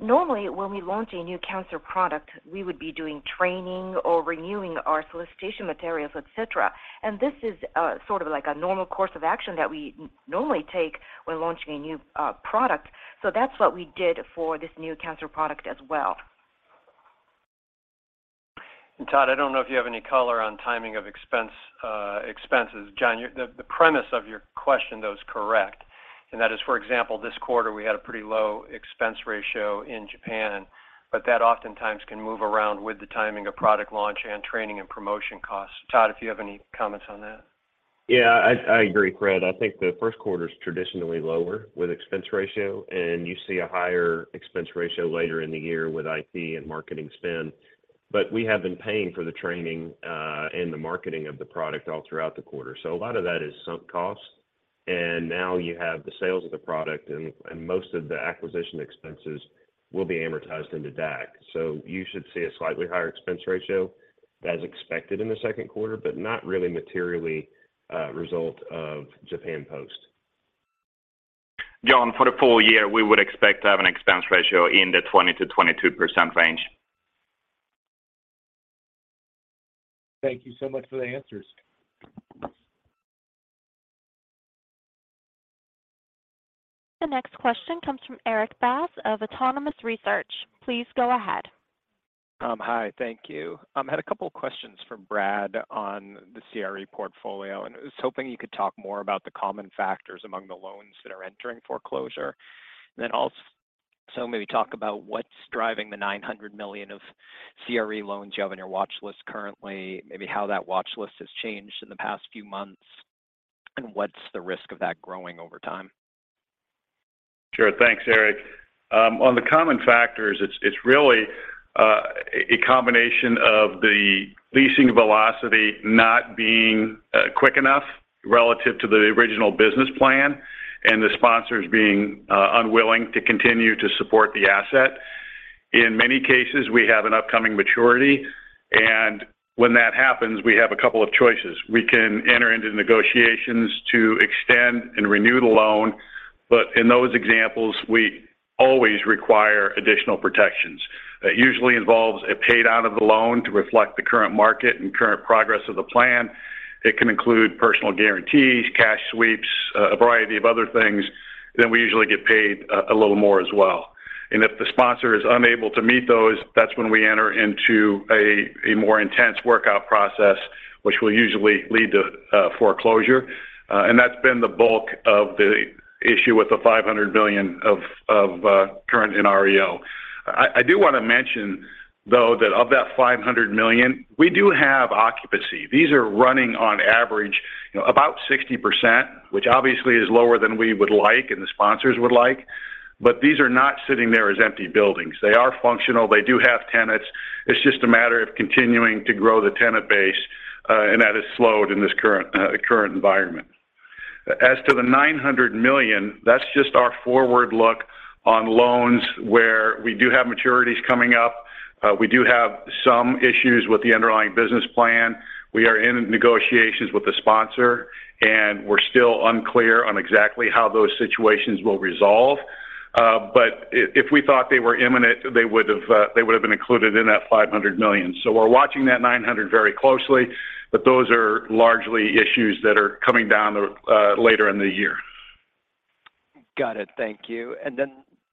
normally when we launch a new cancer product, we would be doing training or renewing our solicitation materials, et cetera. This is sort of like a normal course of action that we normally take when launching a new product. That's what we did for this new cancer product as well.
Todd, I don't know if you have any color on timing of expense, expenses. John, the premise of your question, though, is correct. That is, for example, this quarter, we had a pretty low expense ratio in Japan, but that oftentimes can move around with the timing of product launch and training and promotion costs. Todd, if you have any comments on that.
Yeah. I agree, Craig. I think the first quarter is traditionally lower with expense ratio, and you see a higher expense ratio later in the year with IT and marketing spend. We have been paying for the training and the marketing of the product all throughout the quarter. A lot of that is sunk cost. Now you have the sales of the product and most of the acquisition expenses will be amortized into DAC. You should see a slightly higher expense ratio as expected in the second quarter, but not really materially result of Japan Post.
John, for the full year, we would expect to have an expense ratio in the 20%-22% range.
Thank you so much for the answers.
The next question comes from Erik Bass of Autonomous Research. Please go ahead.
Hi. Thank you. Had a couple questions for Brad on the CRE portfolio, and I was hoping you could talk more about the common factors among the loans that are entering foreclosure. Maybe talk about what's driving the $900 million of CRE loans you have on your watch list currently, maybe how that watch list has changed in the past few months, and what's the risk of that growing over time.
Sure. Thanks, Erik. On the common factors, it's really a combination of the leasing velocity not being quick enough relative to the original business plan and the sponsors being unwilling to continue to support the asset. In many cases, we have an upcoming maturity. When that happens, we have a couple of choices. We can enter into negotiations to extend and renew the loan. In those examples, we always require additional protections. That usually involves a paid out of the loan to reflect the current market and current progress of the plan. It can include personal guarantees, cash sweeps, a variety of other things. We usually get paid a little more as well. If the sponsor is unable to meet those, that's when we enter into a more intense workout process, which will usually lead to foreclosure. That's been the bulk of the issue with the $500 billion of current NREO. I do want to mention though that of that $500 million, we do have occupancy. These are running on average about 60%, which obviously is lower than we would like and the sponsors would like. These are not sitting there as empty buildings. They are functional. They do have tenants. It's just a matter of continuing to grow the tenant base, and that has slowed in this current environment. As to the $900 million, that's just our forward look on loans where we do have maturities coming up. We do have some issues with the underlying business plan. We are in negotiations with the sponsor, and we're still unclear on exactly how those situations will resolve. If we thought they were imminent, they would have been included in that $500 million. We're watching that $900 very closely, those are largely issues that are coming down the later in the year.
Got it. Thank you.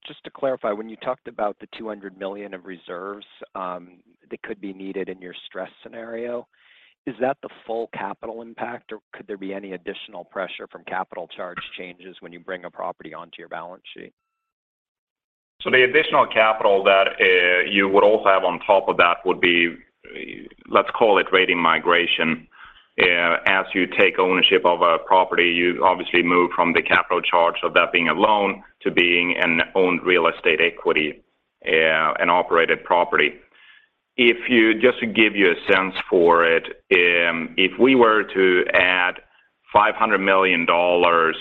Just to clarify, when you talked about the $200 million of reserves, that could be needed in your stress scenario, is that the full capital impact, or could there be any additional pressure from capital charge changes when you bring a property onto your balance sheet?
The additional capital that you would also have on top of that would be, let's call it rating migration. As you take ownership of a property, you obviously move from the capital charge of that being a loan to being an owned real estate equity, an operated property. Just to give you a sense for it, if we were to add $500 million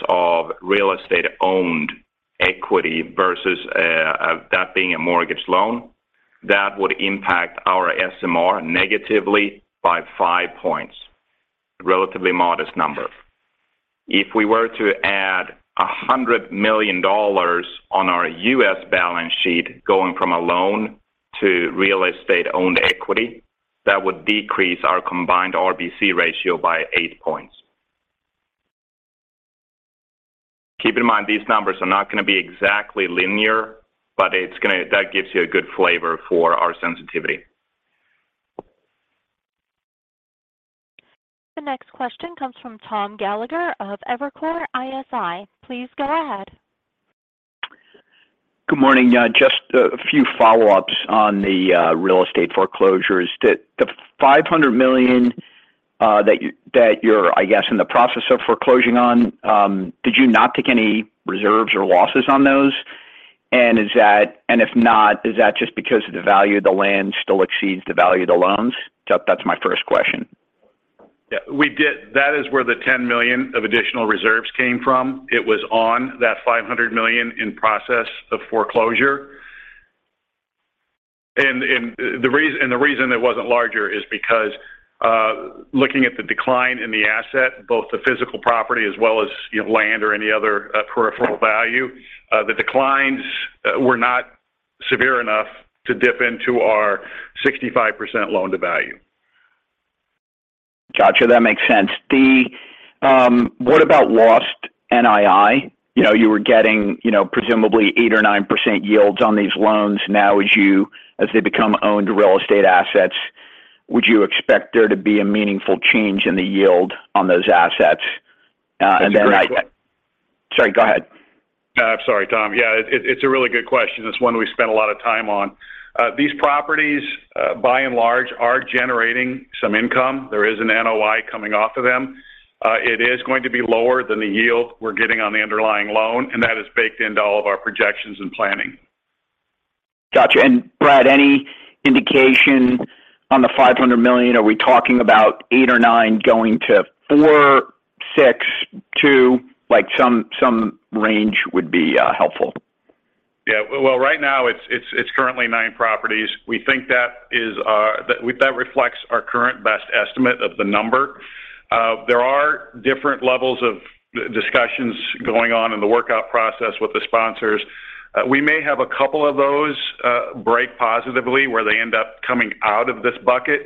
of real estate-owned equity versus that being a mortgage loan, that would impact our SMR negatively by five points, relatively modest number. If we were to add $100 million on our U.S. balance sheet going from a loan to real estate-owned equity, that would decrease our combined RBC ratio by eight points. Keep in mind, these numbers are not going to be exactly linear, but that gives you a good flavor for our sensitivity.
The next question comes from Tom Gallagher of Evercore ISI. Please go ahead.
Good morning. Just a few follow-ups on the real estate foreclosures. The $500 million that you're, I guess, in the process of foreclosing on, did you not take any reserves or losses on those? If not, is that just because the value of the land still exceeds the value of the loans? That's my first question.
Yeah. We did. That is where the $10 million of additional reserves came from. It was on that $500 million in process of foreclosure. The reason it wasn't larger is because, looking at the decline in the asset, both the physical property as well as land or any other peripheral value, the declines were not severe enough to dip into our 65% loan-to-value.
Got you. That makes sense. What about lost NII? You know, you were getting, you know, presumably 8% or 9% yields on these loans. Now, as they become owned real estate assets, would you expect there to be a meaningful change in the yield on those assets?
That's a great.
Sorry, go ahead.
I'm sorry, Tom. Yeah, it's a really good question. It's one we spent a lot of time on. These properties, by and large, are generating some income. There is an NOI coming off of them. It is going to be lower than the yield we're getting on the underlying loan, and that is baked into all of our projections and planning.
Got you. Brad, any indication on the $500 million? Are we talking about eight or nine going to four, six, two? Like, some range would be helpful.
Well, right now it's currently nine properties. We think that reflects our current best estimate of the number. There are different levels of discussions going on in the workout process with the sponsors. We may have a couple of those break positively where they end up coming out of this bucket.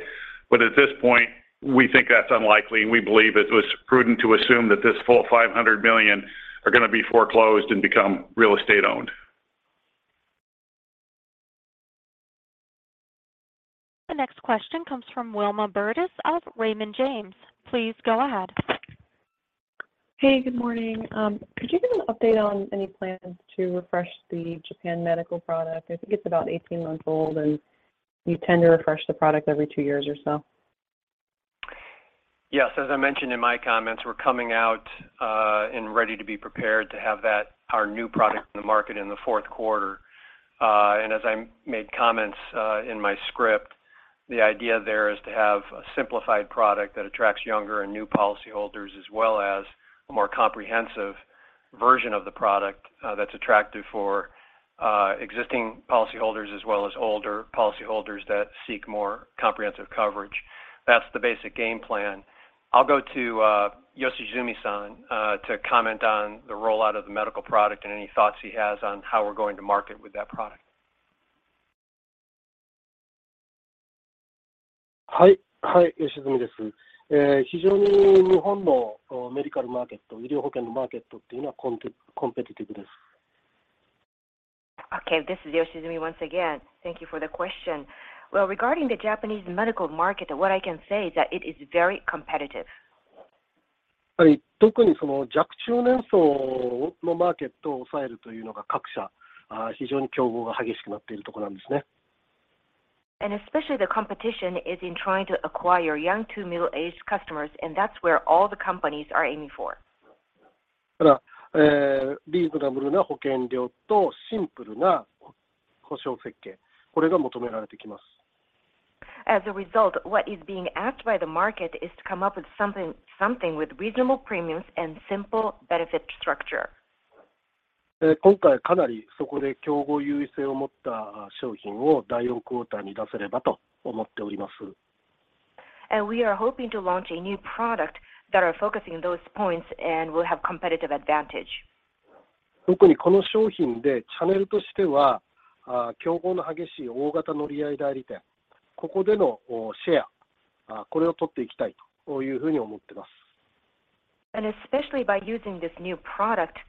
At this point, we think that's unlikely, and we believe it was prudent to assume that this full $500 million are going to be foreclosed and become real estate-owned.
The next question comes from Wilma Burdis of Raymond James. Please go ahead.
Good morning. Could you give an update on any plans to refresh the Japan medical product? I think it's about 18 months old, and you tend to refresh the product every two years or so.
As I mentioned in my comments, we're coming out and ready to be prepared to have that, our new product in the market in the fourth quarter. As I made comments in my script, the idea there is to have a simplified product that attracts younger and new policyholders, as well as a more comprehensive version of the product that's attractive for existing policyholders as well as older policyholders that seek more comprehensive coverage. That's the basic game plan. I'll go to Yoshizumi-san to comment on the rollout of the medical product and any thoughts he has on how we're going to market with that product.
Hi. Hi. Yoshizumi. Okay. This is Yoshizumi once again. Thank you for the question. Regarding the Japanese medical market, what I can say is that it is very competitive. Especially the competition is in trying to acquire young to middle-aged customers, and that's where all the companies are aiming for. As a result, what is being asked by the market is to come up with something with reasonable premiums and simple benefit structure. We are hoping to launch a new product that are focusing those points and will have competitive advantage. Especially by using this new product, the channel that where the competition is the most severe is the large non-exclusive agencies channel. That's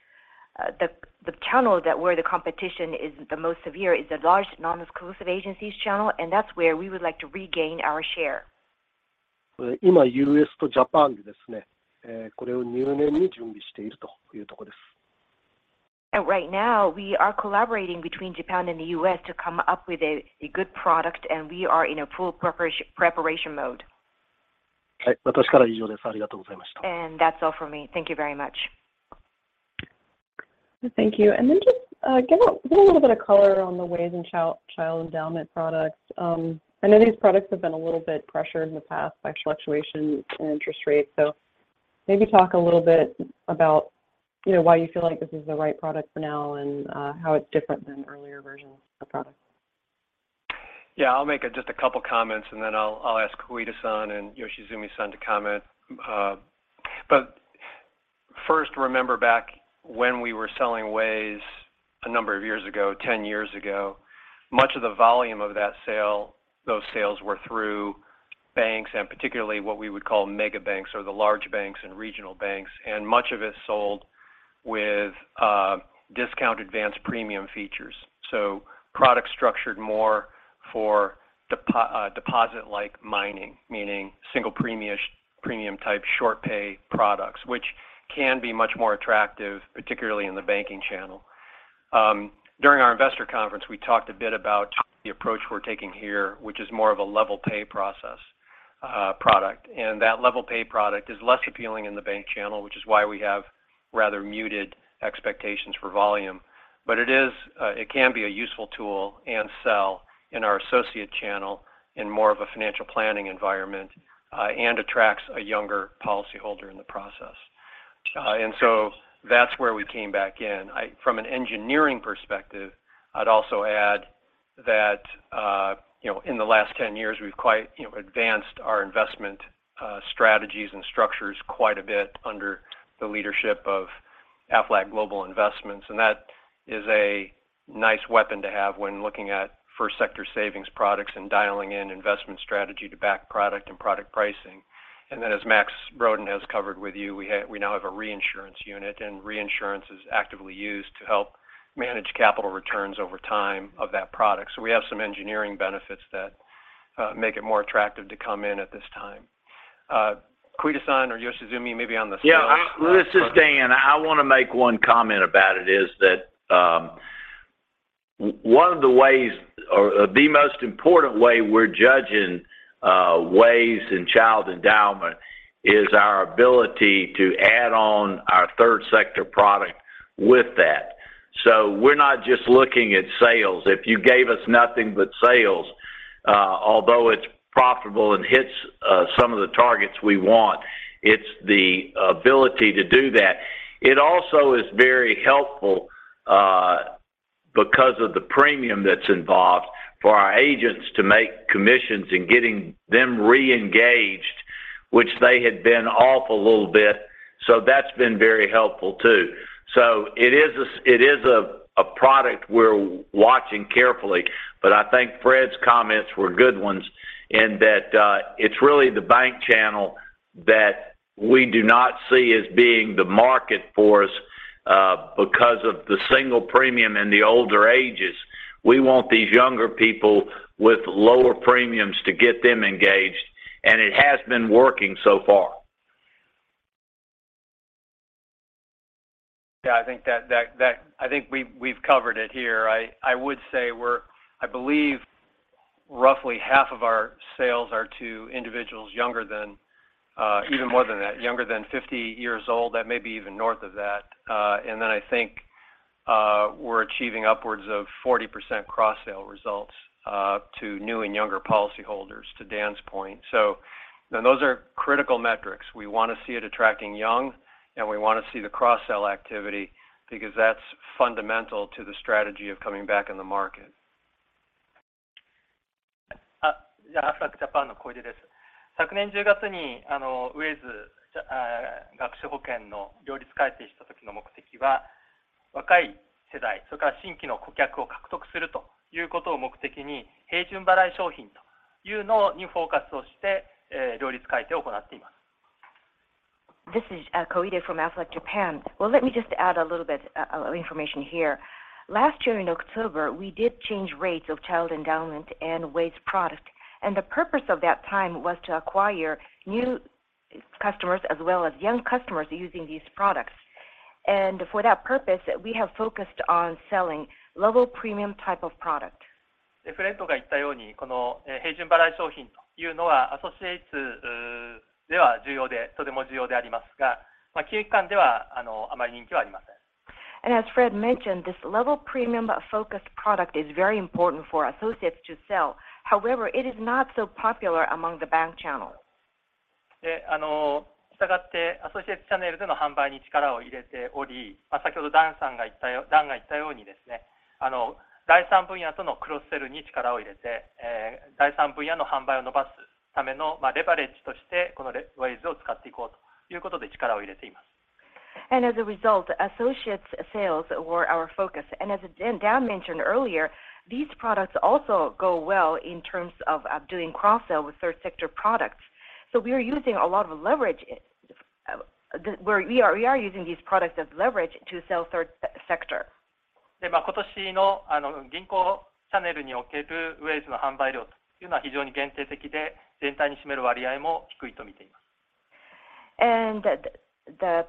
where we would like to regain our share. Right now, we are collaborating between Japan and the U.S. to come up with a good product, and we are in a full preparation mode. That's all for me. Thank you very much.
Thank you. Then just give a little bit of color on the WAYS and Child Endowment products. I know these products have been a little bit pressured in the past by fluctuation in interest rates. Maybe talk a little bit about, you know, why you feel like this is the right product for now and how it's different than earlier versions of the product.
Yeah. I'll make just a couple comments, and then I'll ask Koide-san and Yoshizumi-san to comment. First, remember back when we were selling WAYS a number of years ago, 10 years ago, much of the volume of that sale, those sales were through banks, and particularly what we would call mega banks or the large banks and regional banks, and much of it sold with discount advanced premium features. Product structured more for deposit-like mining, meaning single premium type short pay products, which can be much more attractive, particularly in the banking channel. During our investor conference, we talked a bit about the approach we're taking here, which is more of a level pay process product. That level pay product is less appealing in the bank channel, which is why we have rather muted expectations for volume. It is, it can be a useful tool and sell in our associate channel in more of a financial planning environment, and attracts a younger policy holder in the process. That's where we came back in. From an engineering perspective, I'd also add that, you know, in the last 10 years, we've quite, you know, advanced our investment strategies and structures quite a bit under the leadership of Aflac Global Investments. That is a nice weapon to have when looking at first sector savings products and dialing in investment strategy to back product and product pricing. As Max Brodén has covered with you, we now have a reinsurance unit, and reinsurance is actively used to help manage capital returns over time of that product. We have some engineering benefits that make it more attractive to come in at this time. Koide-san or Yoshizumi maybe on the sales front.
This is Dan. I wanna make one comment about it, is that, one of the ways or the most important way we're judging WAYS and Child Endowment is our ability to add on our third sector product with that. We're not just looking at sales. If you gave us nothing but sales, although it's profitable and hits some of the targets we want, it's the ability to do that. It also is very helpful because of the premium that's involved for our agents to make commissions in getting them reengaged, which they had been off a little bit. That's been very helpful too. It is a product we're watching carefully. I think Fred's comments were good ones in that, it's really the bank channel that we do not see as being the market for us, because of the single premium and the older ages. We want these younger people with lower premiums to get them engaged. It has been working so far.
Yeah. I think that... I think we've covered it here. I would say we're... I believe roughly half of our sales are to individuals younger than even more than that, younger than 50 years old, that may be even north of that. Then I think we're achieving upwards of 40% cross-sale results to new and younger policy holders, to Dan's point. You know, those are critical metrics. We wanna see it attracting young, and we wanna see the cross-sell activity because that's fundamental to the strategy of coming back in the market.
This is Koide from Aflac Japan. Let me just add a little bit of information here. Last year in October, we did change rates of Child Endowment and WAYS product. The purpose of that time was to acquire new customers as well as young customers using these products. For that purpose, we have focused on selling level premium type of product. As Fred mentioned, this level premium focused product is very important for associates to sell. However, it is not so popular among the bank channel. As a result, associates sales were our focus. As Dan mentioned earlier, these products also go well in terms of doing cross-sell with third sector products. We are using a lot of leverage. We are using these products as leverage to sell third sector. The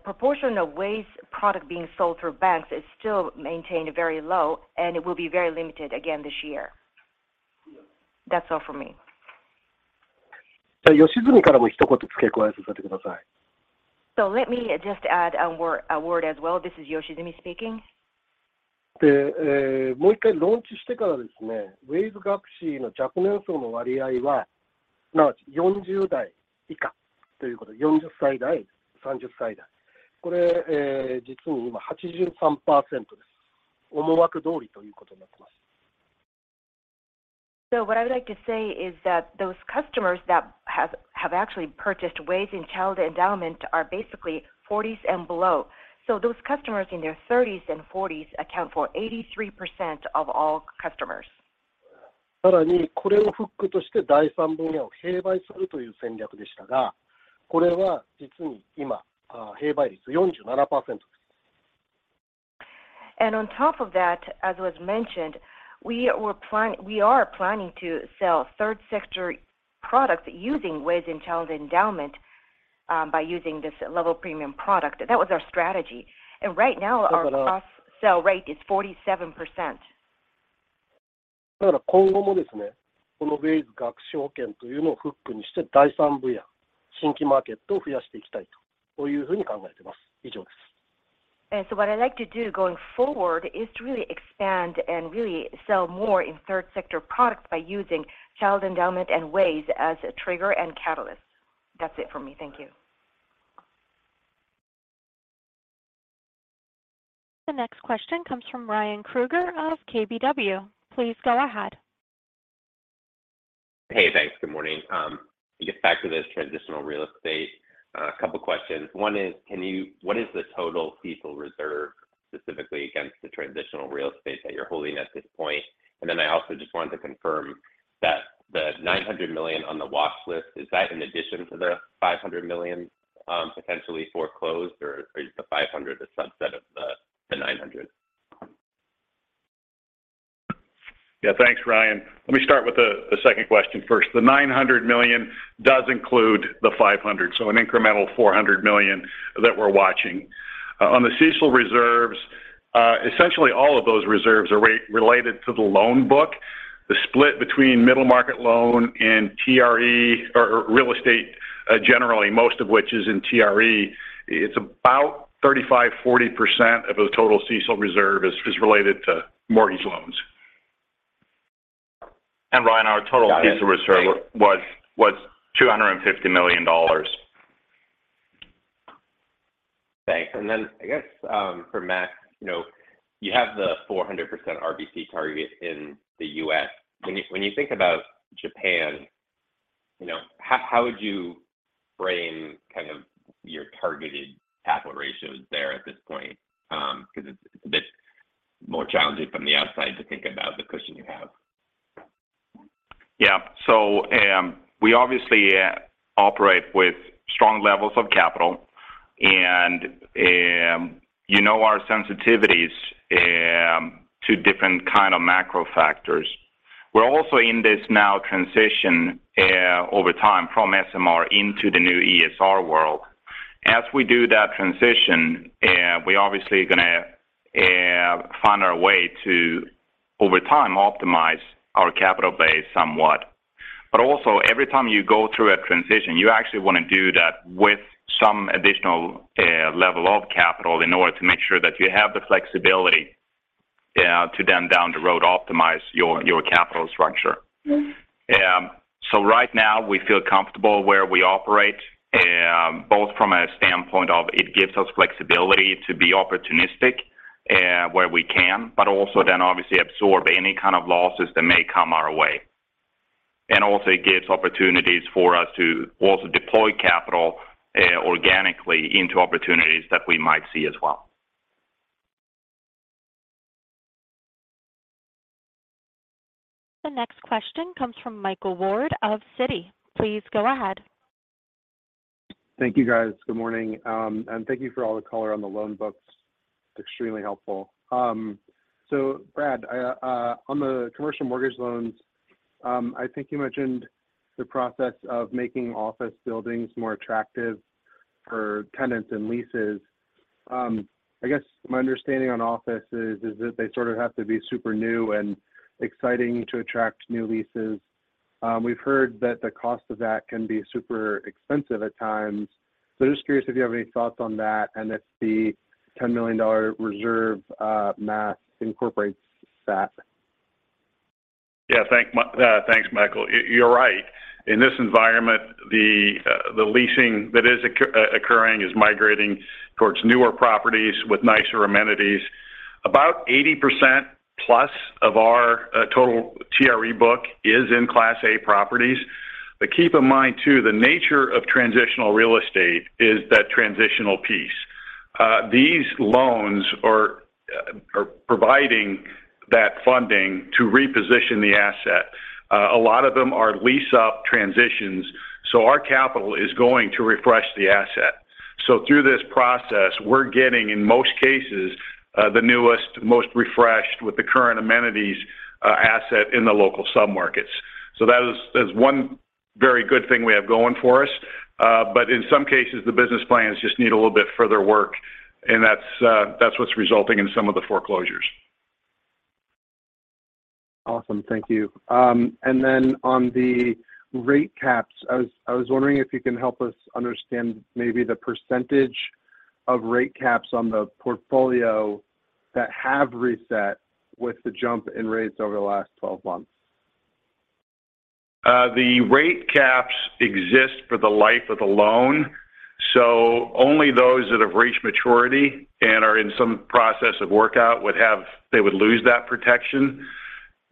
proportion of WAYS product being sold through banks is still maintained very low, and it will be very limited again this year. That's all for me.
Let me just add a word as well. This is Yoshizumi speaking. What I would like to say is that those customers that have actually purchased WAYS and Child Endowment are basically 40s and below. Those customers in their 30s and 40s account for 83% of all customers. On top of that, as was mentioned, we are planning to sell third sector products using WAYS and Child Endowment by using this level premium product. That was our strategy. Right now our cross-sell rate is 47%. What I'd like to do going forward is to really expand and really sell more in third sector products by using Child Endowment and WAYS as a trigger and catalyst. That's it for me. Thank you.
The next question comes from Ryan Krueger of KBW. Please go ahead.
Hey, thanks. Good morning. I guess back to this transitional real estate, a couple questions. One is, what is the total CECL reserve specifically against the transitional real estate that you're holding at this point? I also just wanted to confirm that the $900 million on the watch list, is that in addition to the $500 million, potentially foreclosed or is the $500 a subset of the $900?
Thanks, Ryan. Let me start with the second question first. The $900 million does include the $500, so an incremental $400 million that we're watching. On the CECL reserves, essentially all of those reserves are related to the loan book. The split between middle market loan and TRE or real estate, generally, most of which is in TRE, it's about 35%-40% of the total CECL reserve is related to mortgage loans.
Ryan, our total CECL reserve was $250 million.
Thanks. I guess, for Max, you know, you have the 400% RBC target in the U.S. When you think about Japan, you know, how would you frame kind of your targeted capital ratios there at this point? 'Cause it's a bit more challenging from the outside to think about the cushion you have.
Yeah. We obviously operate with strong levels of capital and, you know our sensitivities, to different kind of macro factors. We're also in this now transition, over time from SMR into the new ESR world. As we do that transition, we're obviously gonna find our way to, over time, optimize our capital base somewhat. Every time you go through a transition, you actually wanna do that with some additional level of capital in order to make sure that you have the flexibility to then down the road optimize your capital structure. Right now we feel comfortable where we operate, both from a standpoint of it gives us flexibility to be opportunistic, where we can, then obviously absorb any kind of losses that may come our way. Also it gives opportunities for us to also deploy capital, organically into opportunities that we might see as well.
The next question comes from Michael Ward of Citi. Please go ahead.
Thank you, guys. Good morning. Thank you for all the color on the loan books. Extremely helpful. Brad, I on the commercial mortgage loans, I think you mentioned the process of making office buildings more attractive for tenants and leases. I guess my understanding on offices is that they sort of have to be super new and exciting to attract new leases. We've heard that the cost of that can be super expensive at times. Just curious if you have any thoughts on that and if the $10 million reserve math incorporates that.
Yeah. Thanks, Michael. You're right. In this environment, the leasing that is occurring is migrating towards newer properties with nicer amenities. About 80%+ of our total TRE book is in Class A properties. Keep in mind too, the nature of transitional real estate is that transitional piece. These loans are providing that funding to reposition the asset. A lot of them are lease up transitions, so our capital is going to refresh the asset. Through this process, we're getting, in most cases, the newest, most refreshed with the current amenities, asset in the local submarkets. That is one very good thing we have going for us. In some cases, the business plans just need a little bit further work, and that's what's resulting in some of the foreclosures.
Awesome. Thank you. Then on the rate caps, I was wondering if you can help us understand maybe the % of rate caps on the portfolio that have reset with the jump in rates over the last 12 months?
The rate caps exist for the life of the loan. Only those that have reached maturity and are in some process of workout would lose that protection.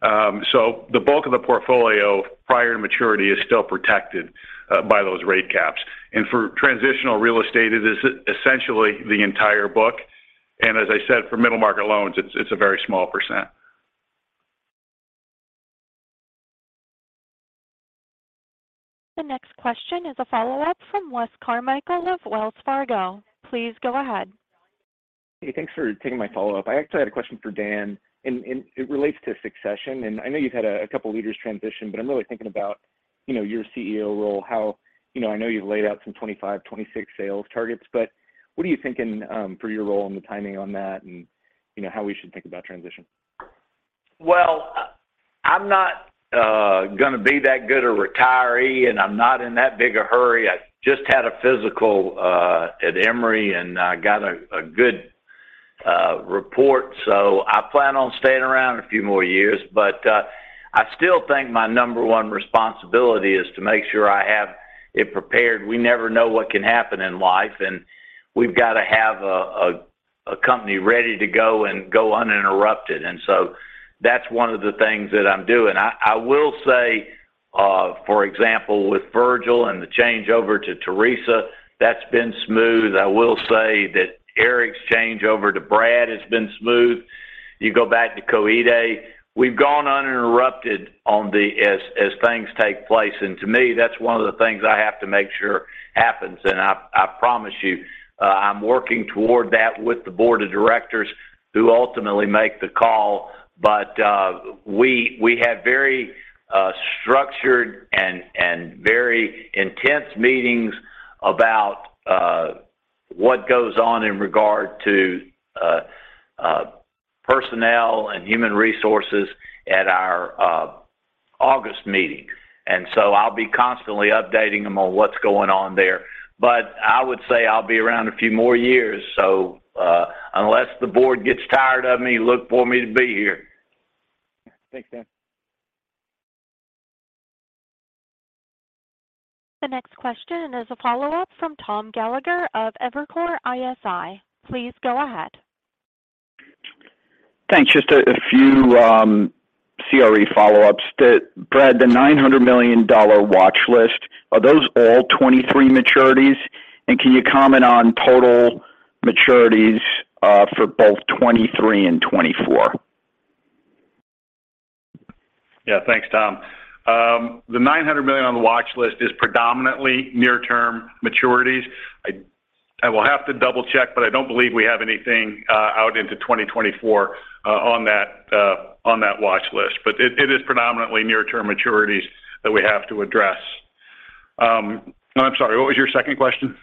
The bulk of the portfolio prior to maturity is still protected by those rate caps. For transitional real estate, it is essentially the entire book. As I said, for middle market loans, it's a very small %.
The next question is a follow-up from Wes Carmichael of Wells Fargo. Please go ahead.
Hey, thanks for taking my follow-up. I actually had a question for Dan, and it relates to succession. I know you've had a couple leaders transition, but I'm really thinking about, you know, your CEO role, how, you know, I know you've laid out some 25, 26 sales targets, but what are you thinking for your role and the timing on that and, you know, how we should think about transition?
I'm not gonna be that good a retiree, and I'm not in that big a hurry. I just had a physical at Emory, and I got a good report, so I plan on staying around a few more years. I still think my number one responsibility is to make sure I have it prepared. We never know what can happen in life, and we've got to have a company ready to go and go uninterrupted. That's one of the things that I'm doing. I will say, for example, with Virgil and the changeover to Teresa, that's been smooth. I will say that Erik's changeover to Brad has been smooth. You go back to Koide, we've gone uninterrupted on the as things take place. To me, that's one of the things I have to make sure happens. I promise you, I'm working toward that with the Board of Directors who ultimately make the call. We have very structured and very intense meetings about what goes on in regard to personnel and human resources at our August meeting. I'll be constantly updating them on what's going on there. I would say I'll be around a few more years. Unless the Board gets tired of me, look for me to be here.
Thanks, Dan.
The next question is a follow-up from Tom Gallagher of Evercore ISI. Please go ahead.
Thanks. Just a few, CRE follow-ups. Brad, the $900 million watch list, are those all 2023 maturities? Can you comment on total maturities, for both 2023 and 2024?
Yeah. Thanks, Tom. The $900 million on the watch list is predominantly near-term maturities. I will have to double-check, but I don't believe we have anything out into 2024 on that watch list. But it is predominantly near-term maturities that we have to address. I'm sorry, what was your second question?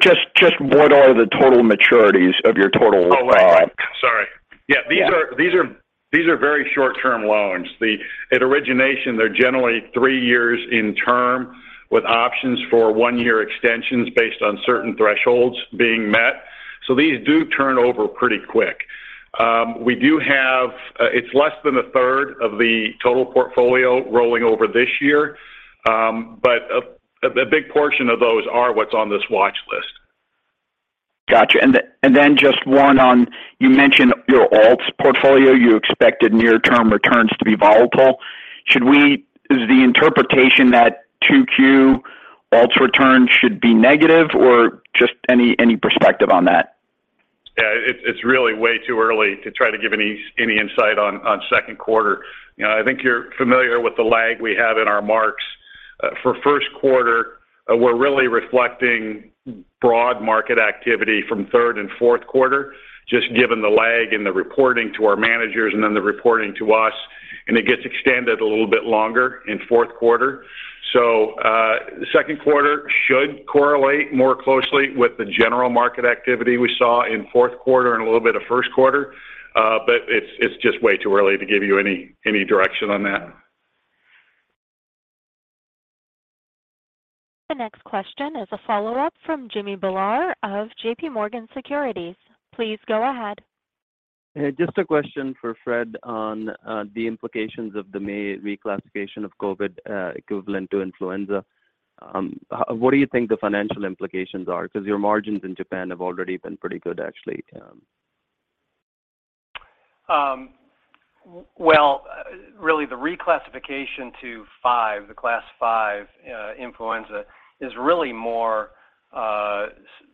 Just what are the total maturities of your.
Oh, right. Sorry. Yeah. These are very short-term loans. At origination, they're generally three years in term with options for one year extensions based on certain thresholds being met. These do turn over pretty quick. It's less than a third of the total portfolio rolling over this year. A big portion of those are what's on this watch list.
Got you. And then just one on, you mentioned your alts portfolio. You expected near-term returns to be volatile. Is the interpretation that 2Q alts return should be negative, or just any perspective on that?
It's really way too early to try to give any insight on second quarter. You know, I think you're familiar with the lag we have in our marks. For first quarter, we're really reflecting broad market activity from third and fourth quarter, just given the lag in the reporting to our managers and then the reporting to us, and it gets extended a little bit longer in fourth quarter. The second quarter should correlate more closely with the general market activity we saw in fourth quarter and a little bit of first quarter. It's just way too early to give you any direction on that.
The next question is a follow-up from Jimmy Bhullar of JPMorgan Securities. Please go ahead.
Hey, just a question for Fred on the implications of the May reclassification of COVID equivalent to influenza. What do you think the financial implications are? 'Cause your margins in Japan have already been pretty good actually.
Well, really the reclassification to five, the class five influenza, is really more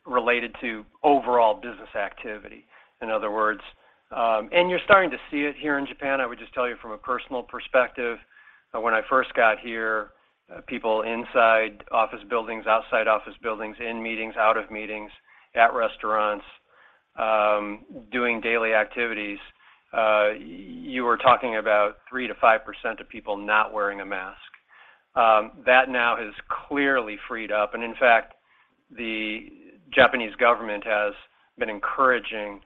related to overall business activity, in other words. You're starting to see it here in Japan. I would just tell you from a personal perspective, when I first got here, people inside office buildings, outside office buildings, in meetings, out of meetings, at restaurants, doing daily activities, you were talking about 3%-5% of people not wearing a mask. That now has clearly freed up. In fact, the Japanese government has been encouraging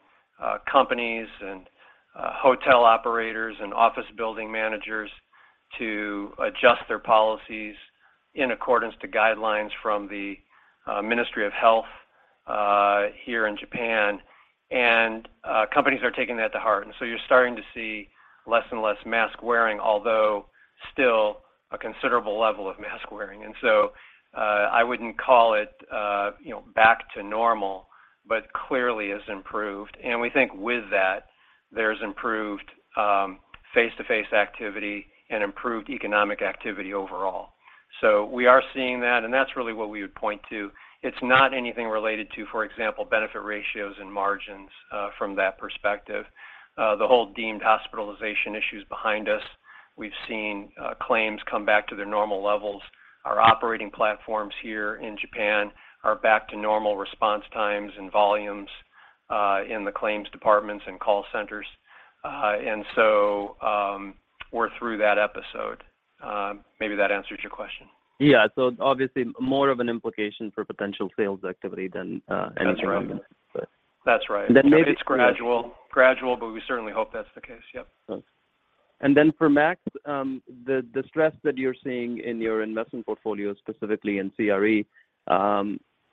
companies and hotel operators and office building managers to adjust their policies in accordance to guidelines from the Ministry of Health here in Japan. Companies are taking that to heart, you're starting to see less and less mask-wearing, although still a considerable level of mask-wearing. I wouldn't call it, you know, back to normal, but clearly is improved. We think with that, there's improved face-to-face activity and improved economic activity overall. We are seeing that, and that's really what we would point to. It's not anything related to, for example, benefit ratios and margins from that perspective. The whole deemed hospitalization issue's behind us. We've seen claims come back to their normal levels. Our operating platforms here in Japan are back to normal response times and volumes in the claims departments and call centers. We're through that episode. Maybe that answers your question.
Yeah. obviously more of an implication for potential sales activity than.
That's right.
But-
That's right.
maybe-
It's gradual. Gradual. We certainly hope that's the case. Yep.
For Max, the stress that you're seeing in your investment portfolio, specifically in CRE,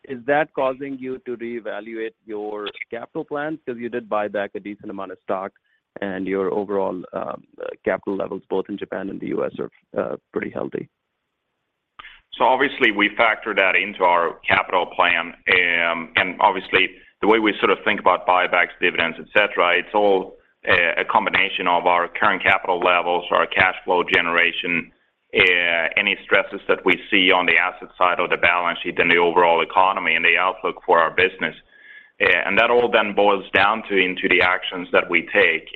is that causing you to reevaluate your capital plan? 'Cause you did buy back a decent amount of stock, and your overall capital levels both in Japan and the U.S. are pretty healthy.
Obviously we factor that into our capital plan. Obviously the way we sort of think about buybacks, dividends, et cetera, it's all a combination of our current capital levels, our cash flow generation, any stresses that we see on the asset side of the balance sheet and the overall economy and the outlook for our business. That all then boils down into the actions that we take.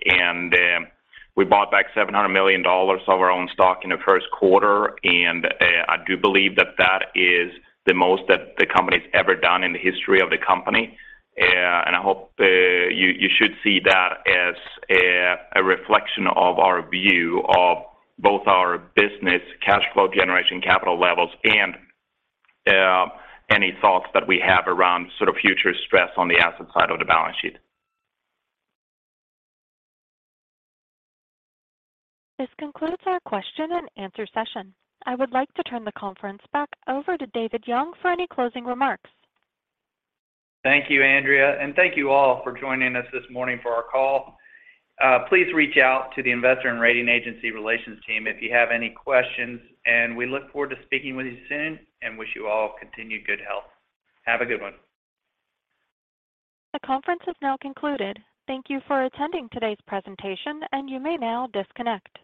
We bought back $700 million of our own stock in the first quarter, I do believe that that is the most that the company's ever done in the history of the company. I hope, you should see that as a reflection of our view of both our business cash flow generation capital levels and any thoughts that we have around sort of future stress on the asset side of the balance sheet.
This concludes our question and answer session. I would like to turn the conference back over to David Young for any closing remarks.
Thank you, Andrea, and thank you all for joining us this morning for our call. Please reach out to the investor and rating agency relations team if you have any questions, and we look forward to speaking with you soon and wish you all continued good health. Have a good one.
The conference is now concluded. Thank you for attending today's presentation, and you may now disconnect.